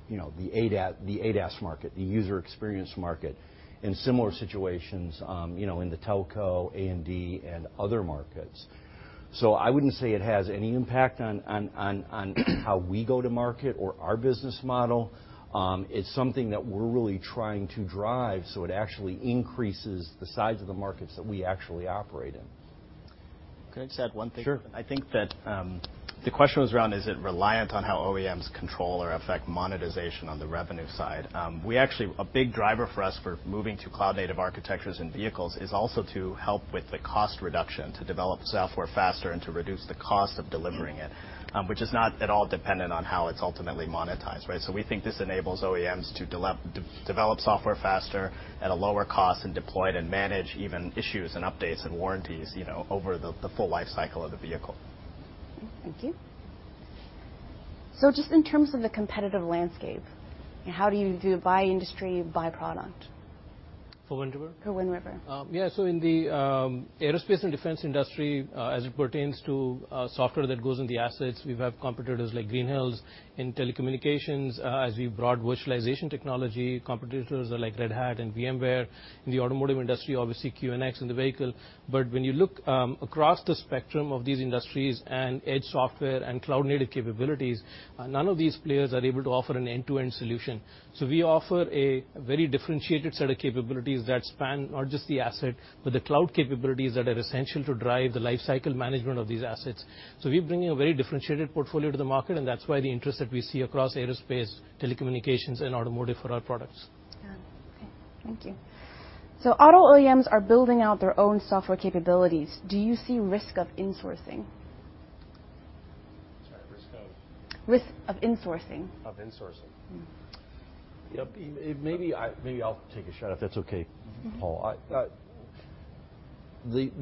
You know, the ADAS market, the user experience market, in similar situations, you know, in the telco, A&D, and other markets. I wouldn't say it has any impact on how we go to market or our business model. It's something that we're really trying to drive, so it actually increases the size of the markets that we actually operate in. Can I just add one thing? Sure. I think that, the question was around, is it reliant on how OEMs control or affect monetization on the revenue side? We actually... A big driver for us for moving to cloud-native architectures and vehicles is also to help with the cost reduction, to develop software faster and to reduce the cost of delivering it, which is not at all dependent on how it's ultimately monetized, right? So we think this enables OEMs to develop software faster, at a lower cost, and deploy it and manage even issues and updates and warranties, you know, over the, the full life cycle of the vehicle. Thank you. Just in terms of the competitive landscape, how do you do by industry, by product? For Wind River? For Wind River. Yeah, so in the aerospace and defense industry, as it pertains to software that goes in the assets, we have competitors like Green Hills. In telecommunications, as we've brought virtualization technology, competitors are like Red Hat and VMware. In the automotive industry, obviously, QNX in the vehicle. But when you look across the spectrum of these industries and edge software and cloud-native capabilities, none of these players are able to offer an end-to-end solution. So we offer a very differentiated set of capabilities that span not just the asset, but the cloud capabilities that are essential to drive the lifecycle management of these assets. So we're bringing a very differentiated portfolio to the market, and that's why the interest that we see across aerospace, telecommunications, and automotive for our products. Yeah. Okay. Thank you. So auto OEMs are building out their own software capabilities. Do you see risk of insourcing? Sorry, risk of? Risk of insourcing. Of insourcing. Mm-hmm. Yep, maybe I'll take a shot, if that's okay, Paul. Mm-hmm.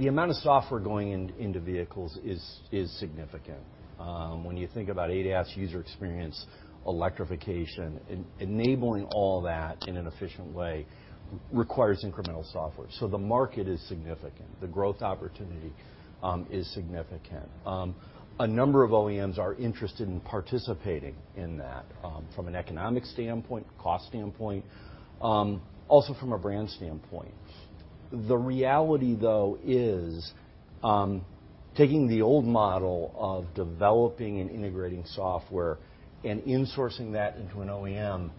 The amount of software going into vehicles is significant. When you think about ADAS user experience, electrification, enabling all that in an efficient way requires incremental software. So the market is significant. The growth opportunity is significant. A number of OEMs are interested in participating in that, from an economic standpoint, cost standpoint, also from a brand standpoint... The reality, though, is taking the old model of developing and integrating software and insourcing that into an OEM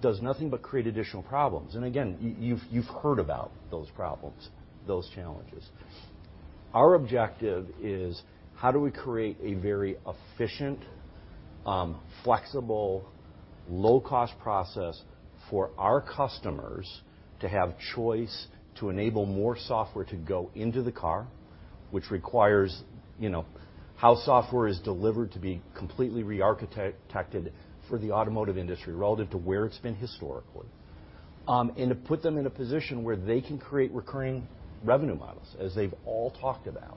does nothing but create additional problems. And again, you've heard about those problems, those challenges. Our objective is: how do we create a very efficient, flexible, low-cost process for our customers to have choice, to enable more software to go into the car, which requires, you know, how software is delivered to be completely rearchitected for the automotive industry relative to where it's been historically, and to put them in a position where they can create recurring revenue models, as they've all talked about.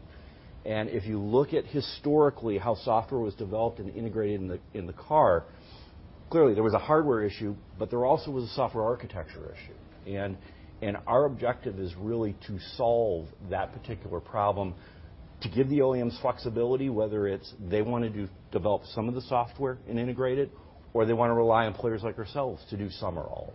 And if you look at historically how software was developed and integrated in the car, clearly, there was a hardware issue, but there also was a software architecture issue. And our objective is really to solve that particular problem, to give the OEMs flexibility, whether it's they want to do, develop some of the software and integrate it, or they want to rely on players like ourselves to do some or all.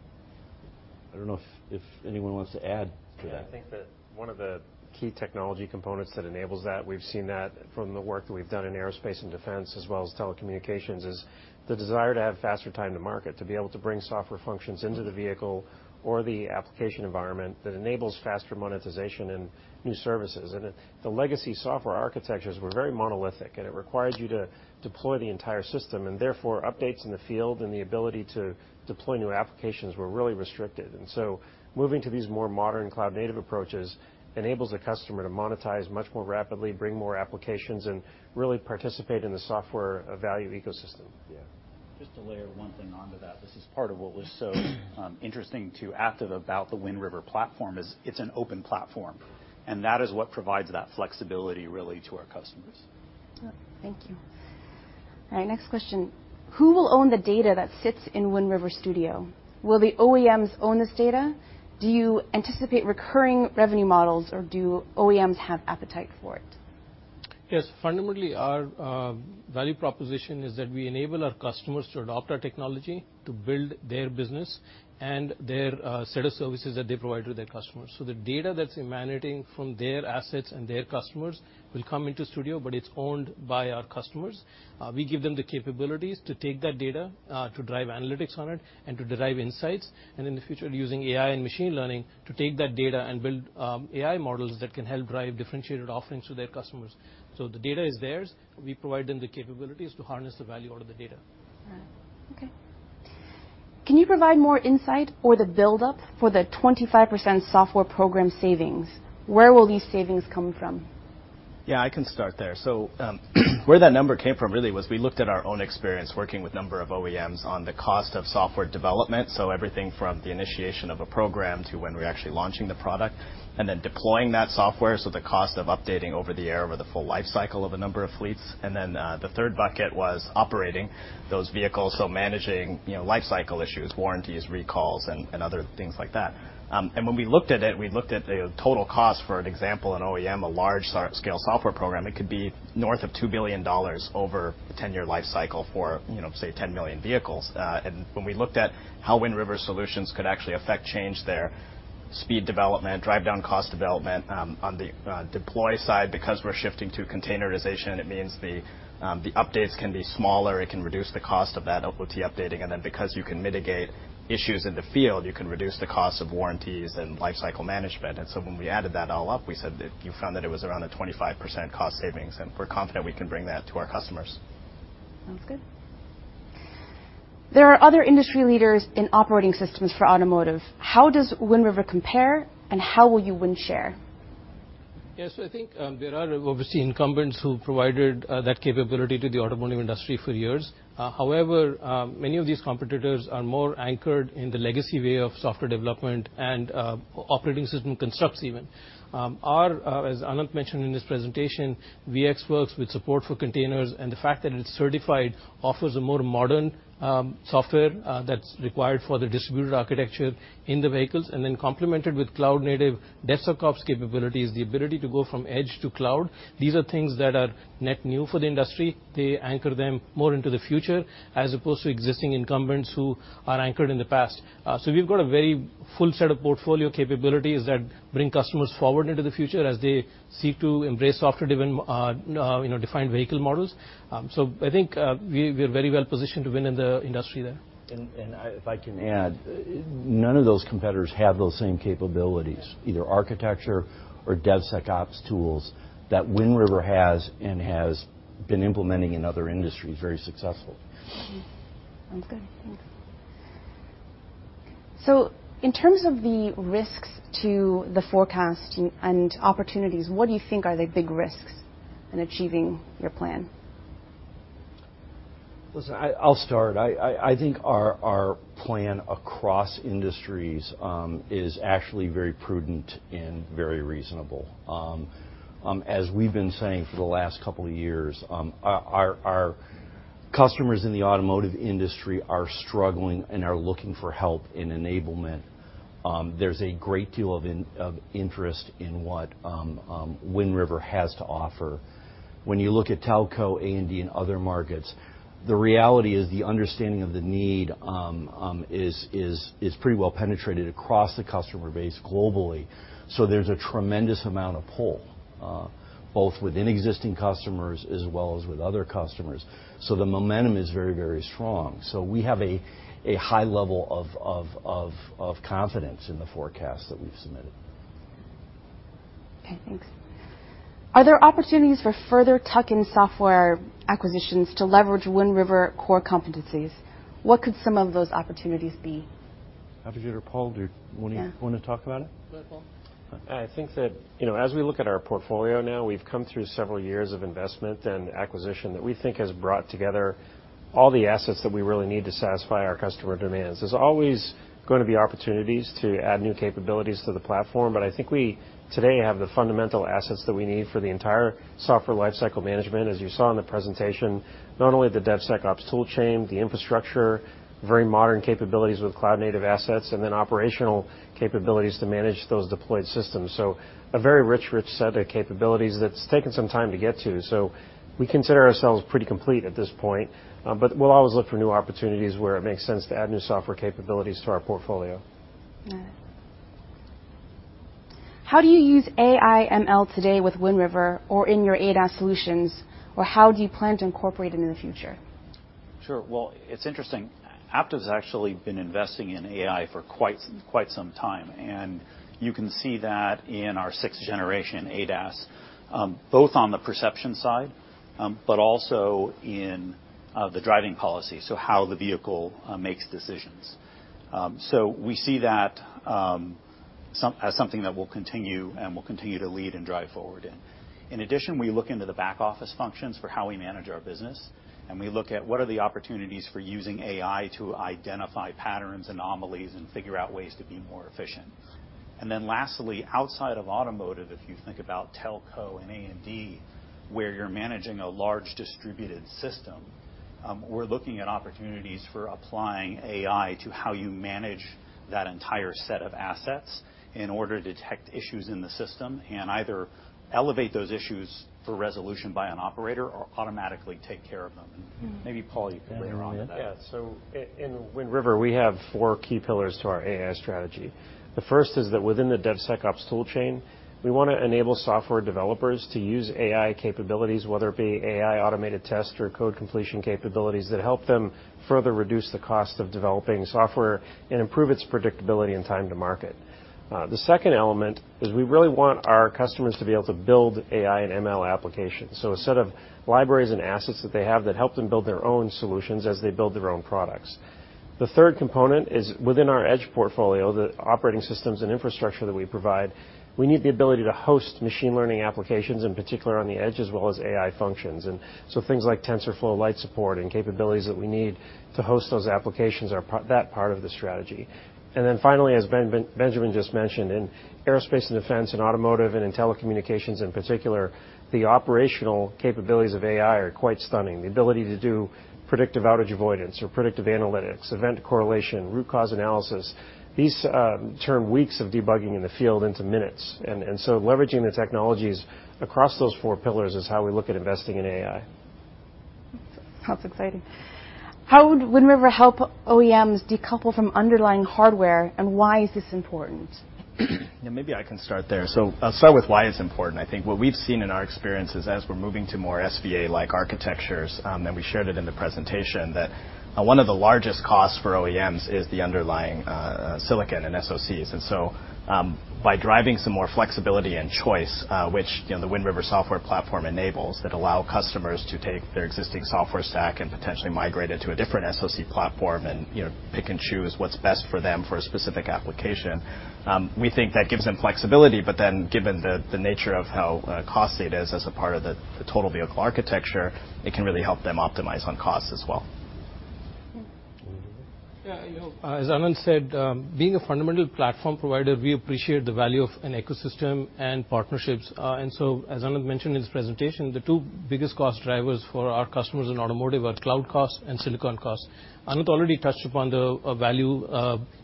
I don't know if anyone wants to add to that. Yeah, I think that one of the key technology components that enables that, we've seen that from the work that we've done in aerospace and defense as well as telecommunications, is the desire to have faster time to market, to be able to bring software functions into the vehicle or the application environment that enables faster monetization and new services. And the legacy software architectures were very monolithic, and it required you to deploy the entire system, and therefore, updates in the field and the ability to deploy new applications were really restricted. And so moving to these more modern cloud-native approaches enables the customer to monetize much more rapidly, bring more applications, and really participate in the software value ecosystem. Yeah. Just to layer one thing onto that, this is part of what was so, interesting to Aptiv about the Wind River platform, is it's an open platform, and that is what provides that flexibility, really, to our customers. Thank you. All right, next question: Who will own the data that sits in Wind River Studio? Will the OEMs own this data? Do you anticipate recurring revenue models, or do OEMs have appetite for it? Yes, fundamentally, our value proposition is that we enable our customers to adopt our technology to build their business and their set of services that they provide to their customers. So the data that's emanating from their assets and their customers will come into Studio, but it's owned by our customers. We give them the capabilities to take that data to drive analytics on it and to derive insights, and in the future, using AI and machine learning, to take that data and build AI models that can help drive differentiated offerings to their customers. So the data is theirs. We provide them the capabilities to harness the value out of the data. All right. Okay. Can you provide more insight or the buildup for the 25% software program savings? Where will these savings come from? Yeah, I can start there. So, where that number came from really was we looked at our own experience working with a number of OEMs on the cost of software development, so everything from the initiation of a program to when we're actually launching the product, and then deploying that software, so the cost of updating over the air over the full life cycle of a number of fleets. And then, the third bucket was operating those vehicles, so managing, you know, life cycle issues, warranties, recalls, and other things like that. And when we looked at it, we looked at the total cost, for example, an OEM, a large scale software program. It could be north of $2 billion over the 10-year life cycle for, you know, say, 10 million vehicles. And when we looked at how Wind River solutions could actually affect change there, speed development, drive down cost development, on the deploy side, because we're shifting to containerization, it means the updates can be smaller, it can reduce the cost of that over-the-air updating. And then, because you can mitigate issues in the field, you can reduce the cost of warranties and life cycle management. And so when we added that all up, we said that you found that it was around a 25% cost savings, and we're confident we can bring that to our customers. Sounds good. There are other industry leaders in operating systems for automotive. How does Wind River compare, and how will you win share? Yes, I think, there are obviously incumbents who provided that capability to the automotive industry for years. However, many of these competitors are more anchored in the legacy way of software development and operating system constructs even. Our, as Anant mentioned in this presentation, VxWorks with support for containers, and the fact that it's certified offers a more modern software that's required for the distributed architecture in the vehicles, and then complemented with cloud-native DevSecOps capabilities, the ability to go from edge to cloud. These are things that are net new for the industry. They anchor them more into the future, as opposed to existing incumbents who are anchored in the past. We've got a very full set of portfolio capabilities that bring customers forward into the future as they seek to embrace software-driven, you know, defined vehicle models. I think we are very well positioned to win in the industry there. If I can add, none of those competitors have those same capabilities, either architecture or DevSecOps tools, that Wind River has and has been implementing in other industries very successfully. Okay. Sounds good. Thanks. So in terms of the risks to the forecast and opportunities, what do you think are the big risks in achieving your plan? Listen, I'll start. I think our plan across industries is actually very prudent and very reasonable. As we've been saying for the last couple of years, our customers in the automotive industry are struggling and are looking for help in enablement. There's a great deal of interest in what Wind River has to offer. When you look at telco, A&D, and other markets, the reality is the understanding of the need is pretty well penetrated across the customer base globally. There's a tremendous amount of pull, both within existing customers as well as with other customers. The momentum is very, very strong. We have a high level of confidence in the forecast that we've submitted. Okay, thanks. Are there opportunities for further tuck-in software acquisitions to leverage Wind River core competencies? What could some of those opportunities be? Aptiv or Paul, do you- Yeah. Wanna, wanna talk about it? Go, Paul. I think that, you know, as we look at our portfolio now, we've come through several years of investment and acquisition that we think has brought together all the assets that we really need to satisfy our customer demands. There's always gonna be opportunities to add new capabilities to the platform, but I think we today have the fundamental assets that we need for the entire software lifecycle management, as you saw in the presentation, not only the DevSecOps tool chain, the infrastructure, very modern capabilities with cloud-native assets, and then operational capabilities to manage those deployed systems. So a very rich, rich set of capabilities that's taken some time to get to. So we consider ourselves pretty complete at this point, but we'll always look for new opportunities where it makes sense to add new software capabilities to our portfolio. All right. How do you use AI/ML today with Wind River or in your ADAS solutions, or how do you plan to incorporate it in the future? Sure. Well, it's interesting. Aptiv's actually been investing in AI for quite, quite some time, and you can see that in our 6th generation ADAS, both on the perception side, but also in, the driving policy, so how the vehicle, makes decisions. So we see that, as something that will continue and will continue to lead and drive forward in. In addition, we look into the back office functions for how we manage our business, and we look at what are the opportunities for using AI to identify patterns, anomalies, and figure out ways to be more efficient. And then lastly, outside of automotive, if you think about telco and A&D, where you're managing a large distributed system, we're looking at opportunities for applying AI to how you manage that entire set of assets in order to detect issues in the system and either elevate those issues for resolution by an operator or automatically take care of them. Mm-hmm. Maybe, Paul, you can weigh in on that. Yeah, in Wind River, we have four key pillars to our AI strategy. The first is that within the DevSecOps tool chain, we wanna enable software developers to use AI capabilities, whether it be AI automated test or code completion capabilities, that help them further reduce the cost of developing software and improve its predictability and time to market. The second element is we really want our customers to be able to build AI and ML applications, so a set of libraries and assets that they have that help them build their own solutions as they build their own products. The third component is within our Edge portfolio, the operating systems and infrastructure that we provide, we need the ability to host machine learning applications, in particular on the Edge, as well as AI functions. Things like TensorFlow Lite support and capabilities that we need to host those applications are part of the strategy. And then finally, as Benjamin just mentioned, in aerospace and defense and automotive and in telecommunications in particular, the operational capabilities of AI are quite stunning. The ability to do predictive outage avoidance or predictive analytics, event correlation, root cause analysis, these turn weeks of debugging in the field into minutes. And so leveraging the technologies across those four pillars is how we look at investing in AI. That's exciting. How would Wind River help OEMs decouple from underlying hardware, and why is this important? Yeah, maybe I can start there. So I'll start with why it's important. I think what we've seen in our experience is as we're moving to more SVA-like architectures, and we shared it in the presentation, that one of the largest costs for OEMs is the underlying silicon and SoCs. And so, by driving some more flexibility and choice, which, you know, the Wind River software platform enables, that allow customers to take their existing software stack and potentially migrate it to a different SoC platform and, you know, pick and choose what's best for them for a specific application, we think that gives them flexibility. But then, given the nature of how costly it is as a part of the total vehicle architecture, it can really help them optimize on costs as well. Mm-hmm. Yeah, you know, as Anant said, being a fundamental platform provider, we appreciate the value of an ecosystem and partnerships. And so as Anant mentioned in his presentation, the two biggest cost drivers for our customers in automotive are cloud costs and silicon costs. Anant already touched upon the value,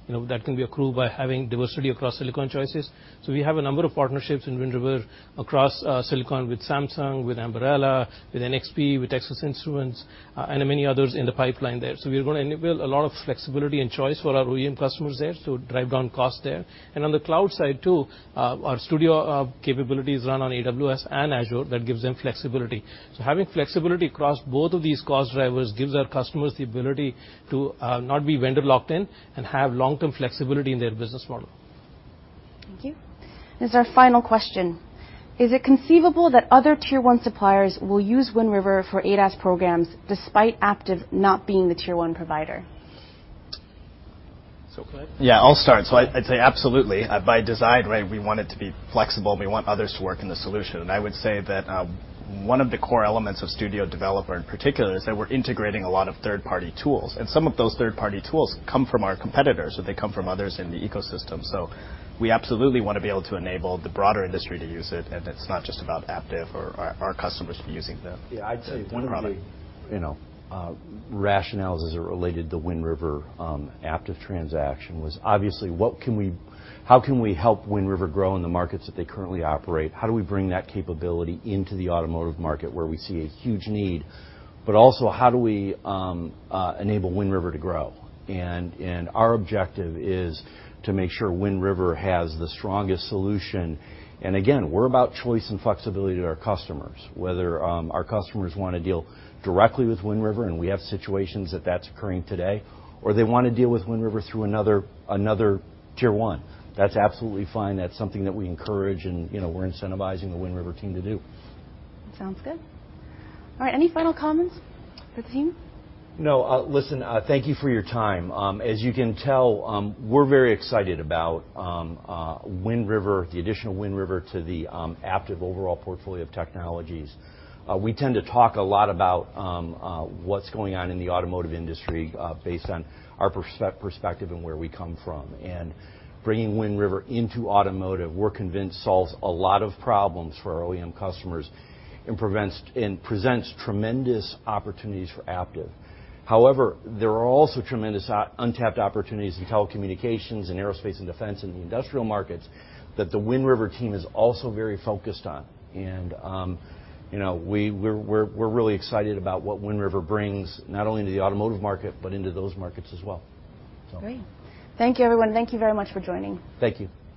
you know, that can be accrued by having diversity across silicon choices. So we have a number of partnerships in Wind River across silicon with Samsung, with Ambarella, with NXP, with Texas Instruments, and many others in the pipeline there. So we're gonna enable a lot of flexibility and choice for our OEM customers there to drive down costs there. And on the cloud side, too, our studio capabilities run on AWS and Azure, that gives them flexibility. Having flexibility across both of these cost drivers gives our customers the ability to not be vendor locked in and have long-term flexibility in their business model. Thank you. This is our final question: Is it conceivable that other tier one suppliers will use Wind River for ADAS programs despite Aptiv not being the tier one provider? Go ahead. Yeah, I'll start. So I'd say absolutely. By design, right, we want it to be flexible, and we want others to work in the solution. I would say that one of the core elements of Studio Developer in particular is that we're integrating a lot of third-party tools, and some of those third-party tools come from our competitors, or they come from others in the ecosystem. So we absolutely want to be able to enable the broader industry to use it, and it's not just about Aptiv or our, our customers using the- Yeah, I'd say- -end product... you know, rationales as it related to Wind River, Aptiv transaction was obviously what can we-- how can we help Wind River grow in the markets that they currently operate? How do we bring that capability into the automotive market, where we see a huge need? But also, how do we enable Wind River to grow? And our objective is to make sure Wind River has the strongest solution. And again, we're about choice and flexibility to our customers, whether our customers want to deal directly with Wind River, and we have situations that that's occurring today, or they want to deal with Wind River through another tier one. That's absolutely fine. That's something that we encourage and, you know, we're incentivizing the Wind River team to do. Sounds good. All right, any final comments for the team? No, listen, thank you for your time. As you can tell, we're very excited about Wind River, the addition of Wind River to the Aptiv overall portfolio of technologies. We tend to talk a lot about what's going on in the automotive industry, based on our perspective and where we come from. Bringing Wind River into automotive, we're convinced, solves a lot of problems for our OEM customers and presents tremendous opportunities for Aptiv. However, there are also tremendous untapped opportunities in telecommunications and aerospace and defense and the industrial markets that the Wind River team is also very focused on. And, you know, we're really excited about what Wind River brings not only to the automotive market, but into those markets as well. So- Great. Thank you, everyone. Thank you very much for joining. Thank you.